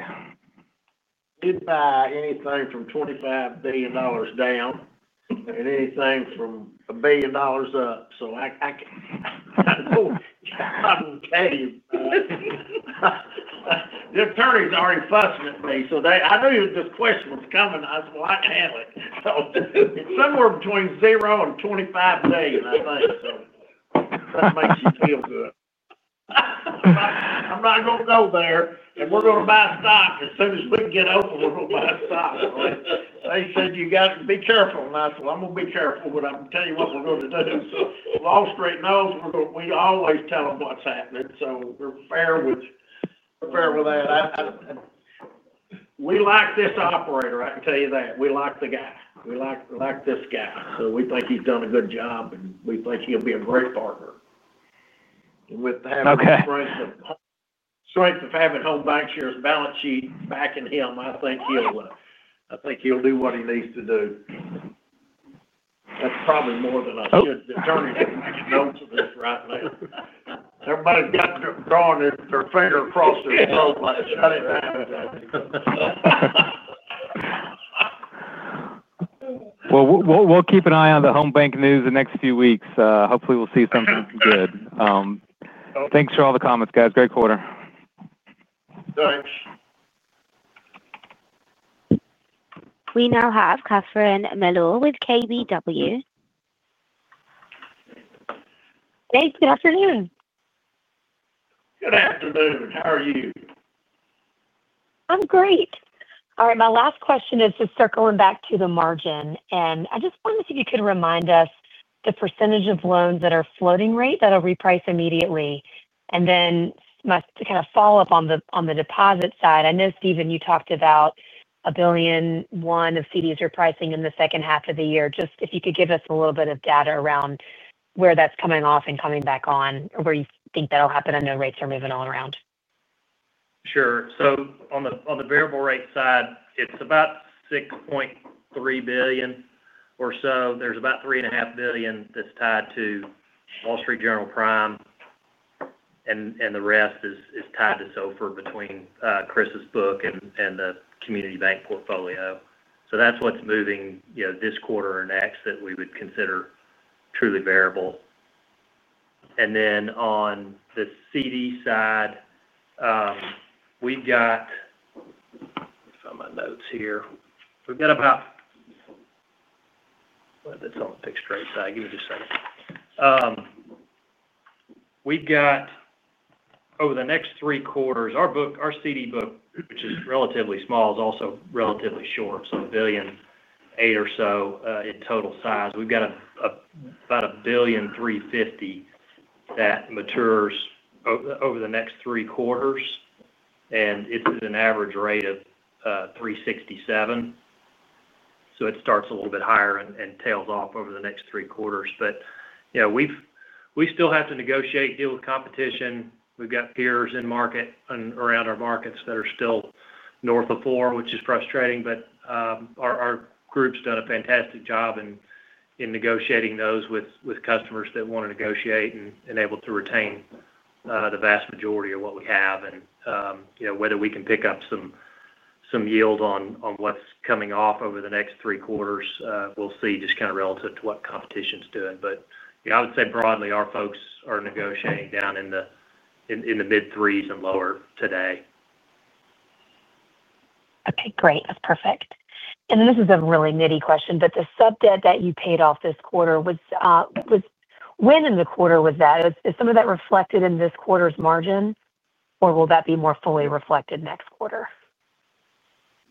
You'd buy anything from $25 billion down and anything from a billion dollars up. I can tell you, the attorney's already fussing at me. I knew this question was coming. I said, "I can handle it." It's somewhere between 0 and $25 billion, I think. That makes you feel good. I'm not going to go there. We're going to buy stock. As soon as we can get open, we're going to buy stock. They said, "You got to be careful." I said, "I'm going to be careful, but I can tell you what we're going to do." Wall Street knows we're going to, we always tell them what's happening. We're fair with that. We like this operator. I can tell you that. We like the guy. We like this guy. We think he's done a good job, and we think he'll be a great partner. With the strength of having Home BancShares, Inc. balance sheet backing him, I think he'll do what he needs to do. That's probably more than I should. The attorney's making notes of this right now. Everybody's got drawing their finger across their throat like, "Shut it down," type of thing. We will keep an eye on the Home BancShares news in the next few weeks. Hopefully, we will see something good. Thanks for all the comments, guys. Great quarter. Thanks. We now have Catherine Fitzhugh Summerson Mealor with KBW. Hey, good afternoon. Good afternoon. How are you? I'm great. All right. My last question is just circling back to the margin. I just wanted to see if you could remind us the % of loans that are floating rate that are repriced immediately. My kind of follow-up on the deposit side, I know, Stephen, you talked about $1.1 billion of CDs repricing in the second half of the year. If you could give us a little bit of data around where that's coming off and coming back on or where you think that'll happen. I know rates are moving all around. Sure. On the variable rate side, it's about $6.3 billion or so. There's about $3.5 billion that's tied to Wall Street General Prime, and the rest is tied to SOFR between Chris's book and the community bank portfolio. That's what's moving this quarter and next that we would consider truly variable. On the CD side, we've got—let me find my notes here. That's on the fixed rate side. Give me just a second. Over the next three quarters, our CD book, which is relatively small, is also relatively short, so $1.8 billion or so in total size. We've got about $1.35 billion that matures over the next three quarters, and it's at an average rate of 3.67%. It starts a little bit higher and tails off over the next three quarters. We still have to negotiate, deal with competition. We've got peers in market around our markets that are still north of 4%, which is frustrating. Our group's done a fantastic job in negotiating those with customers that want to negotiate and able to retain the vast majority of what we have. Whether we can pick up some yield on what's coming off over the next three quarters, we'll see just kind of relative to what competition's doing. I would say broadly, our folks are negotiating down in the mid-threes and lower today. Okay, great. That's perfect. This is a really nitty question, but the sub debt that you paid off this quarter was, when in the quarter was that? Is some of that reflected in this quarter's margin, or will that be more fully reflected next quarter?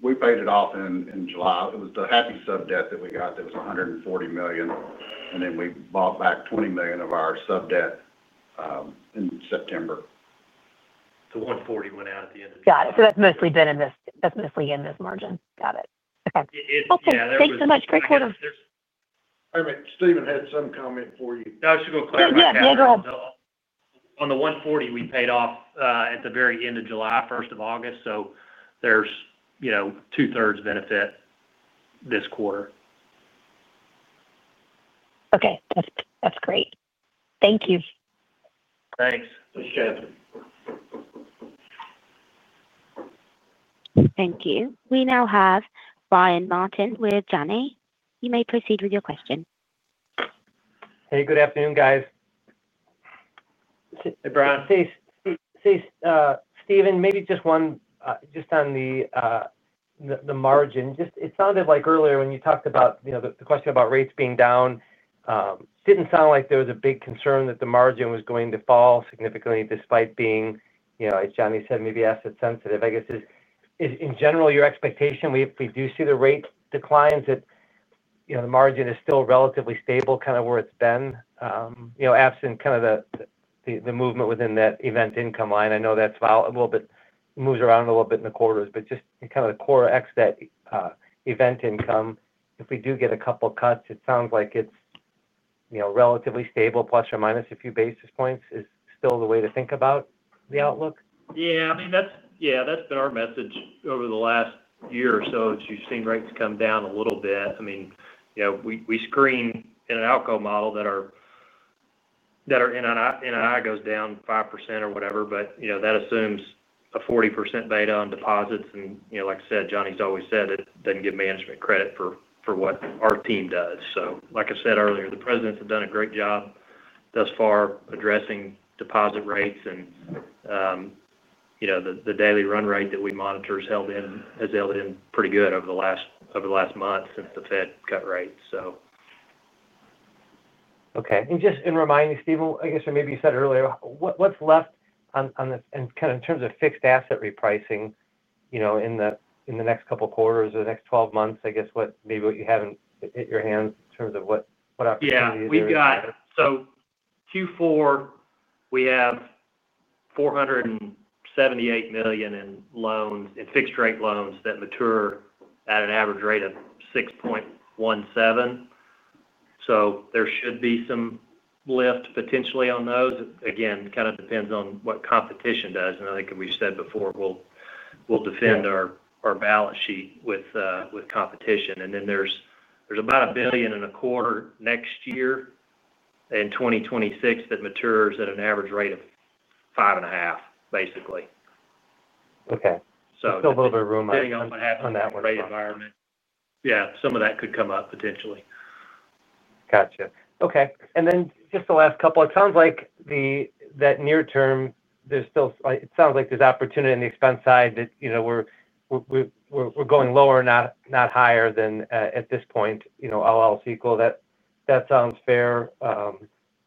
We paid it off in July. It was the HAPPI sub debt that we got that was $140 million, and then we bought back $20 million of our sub debt in September. The $140 million went out at the end of the quarter. Got it. That's mostly been in this, that's mostly in this margin. Got it. Okay. Yeah, that was. Thanks so much. Great quarter. All right. Stephen had some comment for you. No, I was just going to clarify that. Yeah, go ahead. On the $140 million, we paid off at the very end of July, 1st of August. There's two-thirds benefit this quarter. Okay. That's great. Thank you. Thanks. Appreciate it. Thank you. We now have Brian Joseph Martin with Janney Montgomery. You may proceed with your question. Hey, good afternoon, guys. Hey, Brian. Stephen, maybe just one, just on the margin. It sounded like earlier when you talked about the question about rates being down, it didn't sound like there was a big concern that the margin was going to fall significantly despite being, as Johnny said, maybe asset-sensitive. I guess, is in general, your expectation if we do see the rate declines that the margin is still relatively stable, kind of where it's been, absent the movement within that event income line? I know that's volatile, but it moves around a little bit in the quarters. Just kind of the core exit event income, if we do get a couple of cuts, it sounds like it's relatively stable, plus or minus a few basis points is still the way to think about the outlook? Yeah, I mean, that's been our message over the last year or so, as you've seen rates come down a little bit. I mean, you know, we screen in an ALCO model that our NII goes down 5% or whatever, but you know, that assumes a 40% beta on deposits. Like I said, Johnny's always said that doesn't give management credit for what our team does. Like I said earlier, the Presidents have done a great job thus far addressing deposit rates. The daily run rate that we monitor has held in pretty good over the last month since the Fed cut rates. Okay. Just reminding me, Stephen, I guess, or maybe you said earlier, what's left on this? In terms of fixed asset repricing in the next couple of quarters or the next 12 months, I guess, what you have in your hands in terms of what opportunities? Yeah, we've got Q4, we have $478 million in fixed-rate loans that mature at an average rate of 6.17%. There should be some lift potentially on those. It kind of depends on what competition does. I think we've said before, we'll defend our balance sheet with competition. There's about $1.25 billion next year in 2026 that matures at an average rate of 5.5%, basically. Okay, still a little bit of room on that. Depending on what happens in that rate environment, some of that could come up potentially. Gotcha. Okay. Just the last couple, it sounds like near-term, there's still, it sounds like there's opportunity on the expense side that, you know, we're going lower, not higher than at this point, you know, all else equal. That sounds fair.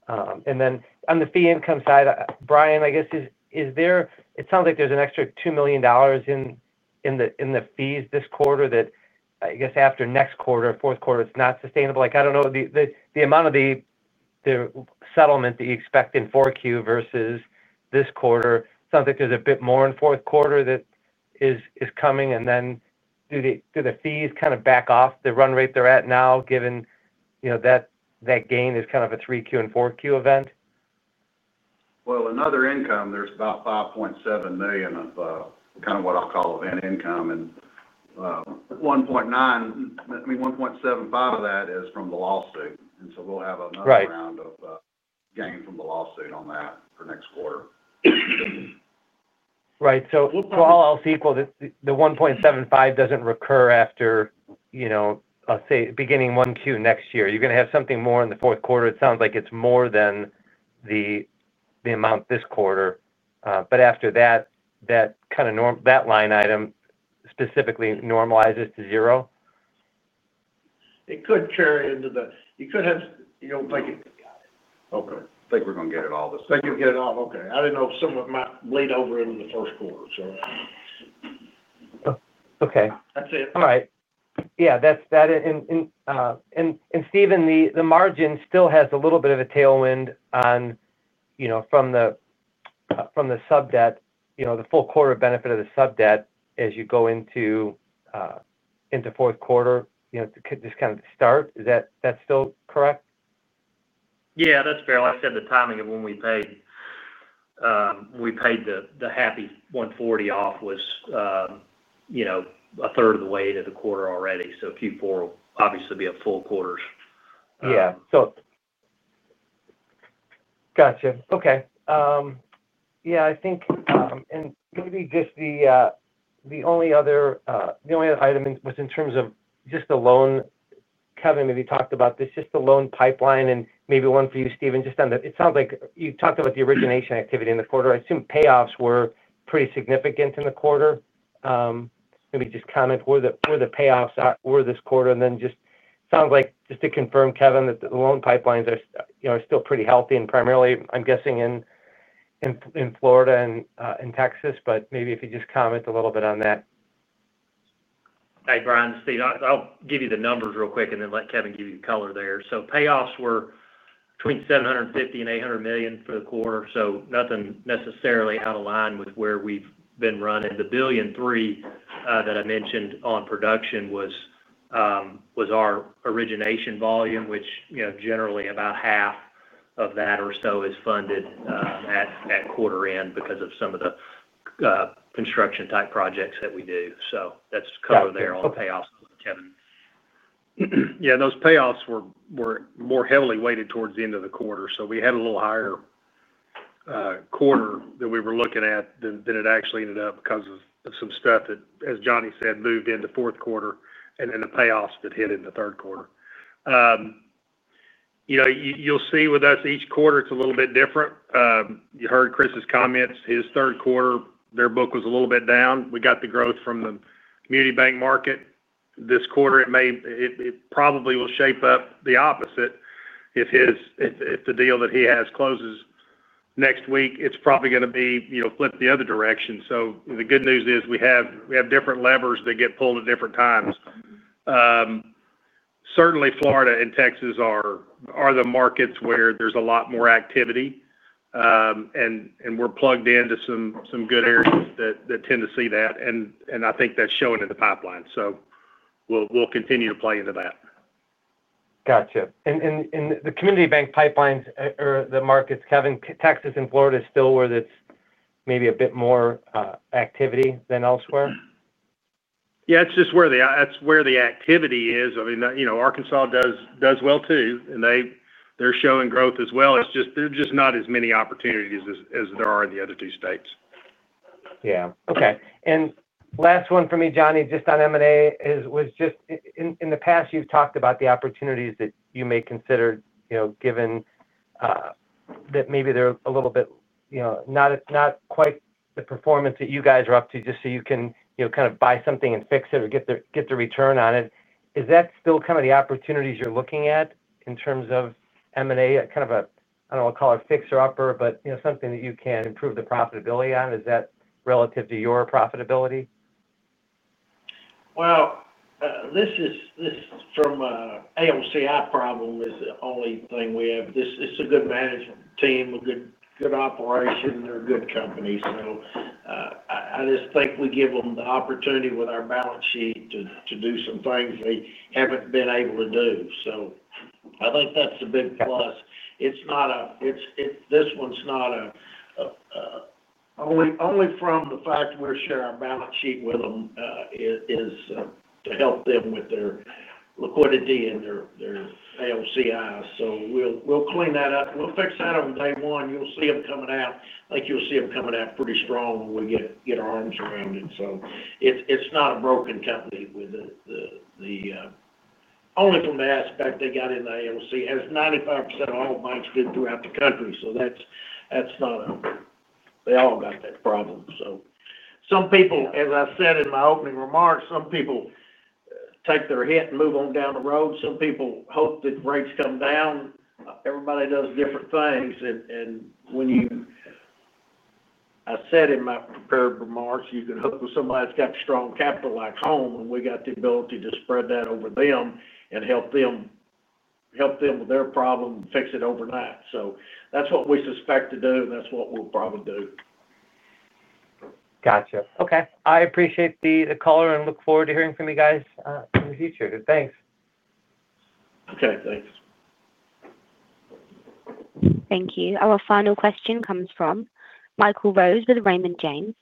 On the fee income side, Brian, I guess, is there, it sounds like there's an extra $2 million in the fees this quarter that I guess after next quarter, fourth quarter, it's not sustainable. I don't know the amount of the settlement that you expect in 4Q versus this quarter. It sounds like there's a bit more in fourth quarter that is coming. Do the fees kind of back off the run rate they're at now given, you know, that that gain is kind of a 3Q and 4Q event? There is about $5.7 million of what I'll call event income. $1.75 million of that is from the lawsuit, and we'll have another round of gain from the lawsuit on that for next quarter. Right. All else equal, the $1.75 doesn't recur after, you know, I'll say, beginning 1Q next year. You're going to have something more in the fourth quarter. It sounds like it's more than the amount this quarter. After that, that line item specifically normalizes to zero? It could carry into that. You could have, you know. Got it. Okay. I think we're going to get it all this time. I think you'll get it all. Okay. I didn't know if some of it might bleed over into the first quarter. Okay. That's it. All right. Stephen, the margin still has a little bit of a tailwind from the sub debt, the full quarter benefit of the sub debt as you go into the fourth quarter, to just kind of start. Is that still correct? Yeah, that's fair. Like I said, the timing of when we paid, we paid the HAPPI 140 off was, you know, a third of the way into the quarter already. Q4 will obviously be a full quarter's. Yeah, gotcha. Okay. I think, and maybe just the only other item was in terms of just the loan. Kevin, maybe talked about this, just the loan pipeline. Maybe one for you, Stephen, just on the, it sounds like you talked about the origination activity in the quarter. I assume payoffs were pretty significant in the quarter. Maybe just comment where the payoffs were this quarter. It sounds like, just to confirm, Kevin, that the loan pipelines are still pretty healthy and primarily, I'm guessing, in Florida and Texas, but maybe if you just comment a little bit on that. Hey, Brian, Steve, I'll give you the numbers real quick and then let Kevin give you the color there. Payoffs were between $750 million and $800 million for the quarter, nothing necessarily out of line with where we've been running. The $1.3 billion that I mentioned on production was our origination volume, which, you know, generally about half of that or so is funded at quarter end because of some of the construction type projects that we do. That's covered there on the payoffs with Kevin. Yeah, those payoffs were more heavily weighted towards the end of the quarter. We had a little higher quarter that we were looking at than it actually ended up because of some stuff that, as Johnny said, moved into fourth quarter and then the payoffs that hit into third quarter. You'll see with us each quarter, it's a little bit different. You heard Chris's comments. His third quarter, their book was a little bit down. We got the growth from the community bank market. This quarter, it may, it probably will shape up the opposite. If the deal that he has closes next week, it's probably going to be flipped the other direction. The good news is we have different levers that get pulled at different times. Certainly, Florida and Texas are the markets where there's a lot more activity. We're plugged into some good areas that tend to see that. I think that's showing in the pipeline. We'll continue to play into that. Gotcha. The community bank pipelines or the markets, Kevin, Texas and Florida is still where it's maybe a bit more activity than elsewhere? Yeah, it's just where the activity is. I mean, Arkansas does well too. They're showing growth as well. It's just there's just not as many opportunities as there are in the other two states. Okay. Last one for me, Johnny, just on M&A, in the past, you've talked about the opportunities that you may consider, given that maybe they're a little bit not quite the performance that you guys are up to, just so you can kind of buy something and fix it or get the return on it. Is that still kind of the opportunities you're looking at in terms of M&A? Kind of a, I don't want to call it a fixer-upper, but something that you can improve the profitability on. Is that relative to your profitability? This from an ALCI problem is the only thing we have. It's a good management team, a good operation. They're a good company. I just think we give them the opportunity with our balance sheet to do some things they haven't been able to do. I think that's a big plus. It's not a, this one's not a, only from the fact we're sharing our balance sheet with them is to help them with their liquidity and their ALCIs. We'll clean that up. We'll fix that on day one. You'll see them coming out. I think you'll see them coming out pretty strong when we get our arms around it. It's not a broken company, only from the aspect they got in the ALC, as 95% of all banks did throughout the country. That's not a, they all got that problem. Some people, as I said in my opening remarks, some people take their hit and move on down the road. Some people hope that rates come down. Everybody does different things. I said in my prepared remarks, you can hope with somebody that's got strong capital like Home, and we got the ability to spread that over them and help them with their problem, fix it overnight. That's what we suspect to do, and that's what we'll probably do. Gotcha. Okay. I appreciate the call, and I look forward to hearing from you guys in the future. Thanks. Okay, thanks. Thank you. Our final question comes from Michael Edward Rose with Raymond James.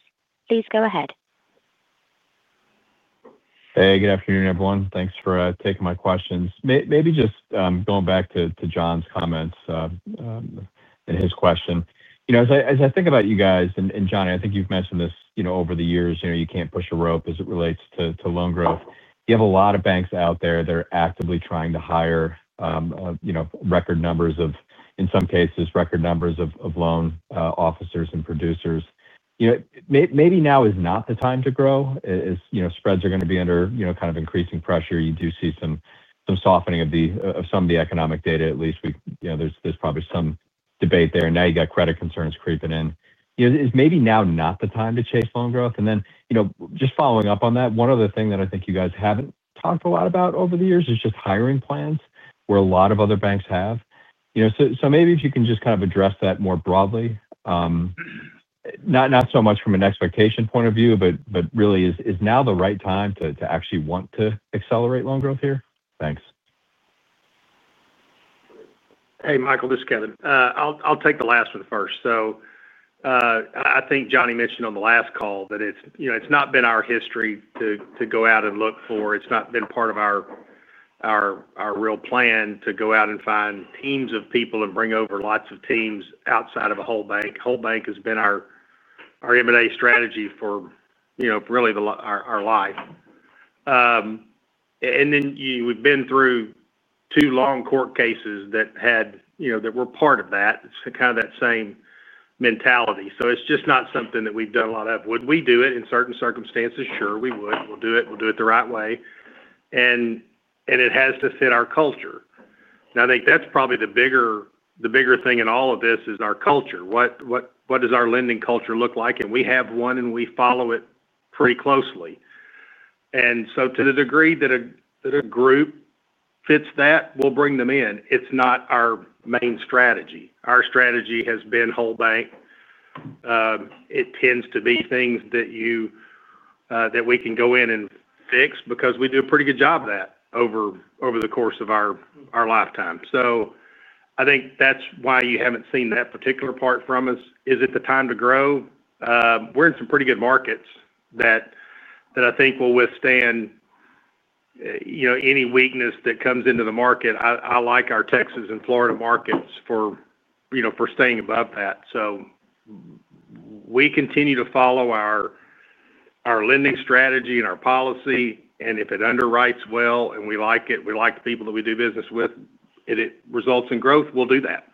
Please go ahead. Hey, good afternoon, everyone. Thanks for taking my questions. Maybe just going back to John's comments and his question. As I think about you guys, and Johnny, I think you've mentioned this over the years, you can't push a rope as it relates to loan growth. You have a lot of banks out there. They're actively trying to hire, in some cases, record numbers of loan officers and producers. Maybe now is not the time to grow as spreads are going to be under increasing pressure. You do see some softening of some of the economic data, at least. There's probably some debate there. Now you've got credit concerns creeping in. Is maybe now not the time to chase loan growth? Just following up on that, one other thing that I think you guys haven't talked a lot about over the years is just hiring plans where a lot of other banks have. Maybe if you can just kind of address that more broadly, not so much from an expectation point of view, but really, is now the right time to actually want to accelerate loan growth here? Thanks. Hey, Michael. This is Kevin. I'll take the last for the first. I think Johnny mentioned on the last call that it's not been our history to go out and look for. It's not been part of our real plan to go out and find teams of people and bring over lots of teams outside of a whole bank. Whole bank has been our M&A strategy for, you know, really our life. We've been through two long court cases that had, you know, that were part of that. It's kind of that same mentality. It's just not something that we've done a lot of. Would we do it in certain circumstances? Sure, we would. We'll do it. We'll do it the right way. It has to fit our culture. I think that's probably the bigger thing in all of this is our culture. What does our lending culture look like? We have one, and we follow it pretty closely. To the degree that a group fits that, we'll bring them in. It's not our main strategy. Our strategy has been whole bank. It tends to be things that we can go in and fix because we do a pretty good job of that over the course of our lifetime. I think that's why you haven't seen that particular part from us. Is it the time to grow? We're in some pretty good markets that I think will withstand, you know, any weakness that comes into the market. I like our Texas and Florida markets for. We continue to follow our lending strategy and our policy, and if it underwrites well and we like it, we like the people that we do business with, and it results in growth, we'll do that.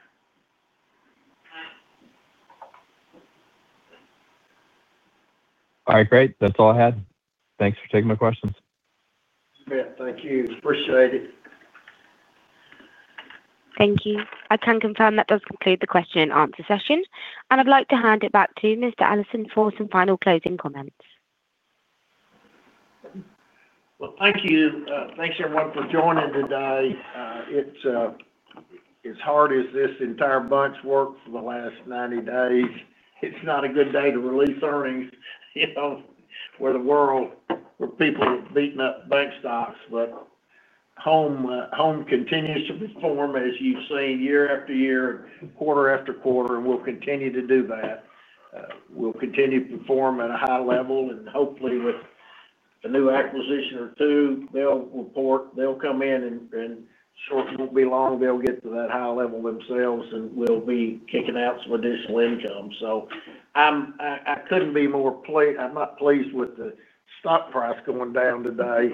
All right, great. That's all I had. Thanks for taking my questions. Yeah, thank you. Appreciate it. Thank you. I can confirm that does conclude the question and answer session. I'd like to hand it back to Mr. Allison for some final closing comments. Thank you. Thanks everyone for joining today. As hard as this entire bunch worked for the last 90 days, it's not a good day to release earnings, you know, where the world, where people are beating up bank stocks. Home continues to perform, as you've seen, year after year, quarter after quarter, and we'll continue to do that. We'll continue to perform at a high level, and hopefully with a new acquisition or two, they'll report, they'll come in, and shortly it won't be long, they'll get to that high level themselves, and we'll be kicking out some additional income. I couldn't be more pleased. I'm not pleased with the stock price going down today.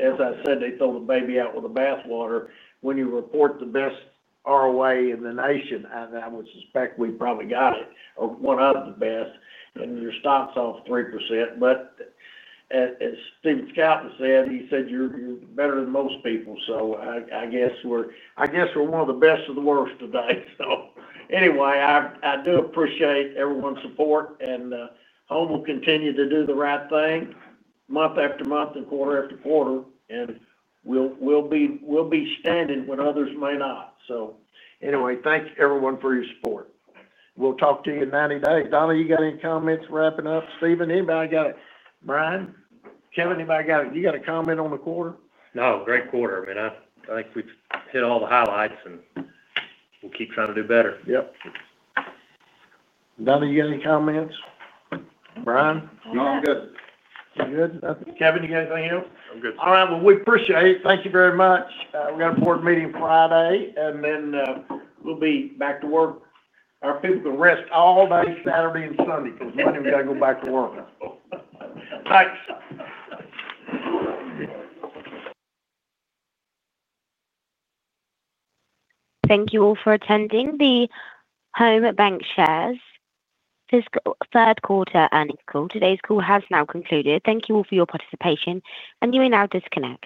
As I said, they throw the baby out with the bathwater. When you report the best ROA in the nation, I would suspect we probably got it, or one of the best, and your stock's off 3%. As Stephen Kendall Scouten said, he said you're better than most people. I guess we're one of the best of the worst today. I do appreciate everyone's support, and Home will continue to do the right thing month after month and quarter after quarter, and we'll be standing when others may not. Thank you everyone for your support. We'll talk to you in 90 days. Donna, you got any comments wrapping up? Stephen, anybody got it? Brian? Kevin, anybody got it? You got a comment on the quarter? No, great quarter. I think we've hit all the highlights, and we'll keep trying to do better. Yep. Donna, you got any comments, Brian? No, I'm good. You're good? Nothing. Kevin, you got anything else? I'm good. All right, we appreciate it. Thank you very much. We've got an important meeting Friday, and then we'll be back to work. Our people can rest all day Saturday and Sunday because Monday we've got to go back to work. Thanks. Thank you all for attending the Home BancShares' fiscal third quarter earnings call. Today's call has now concluded. Thank you all for your participation, and you may now disconnect.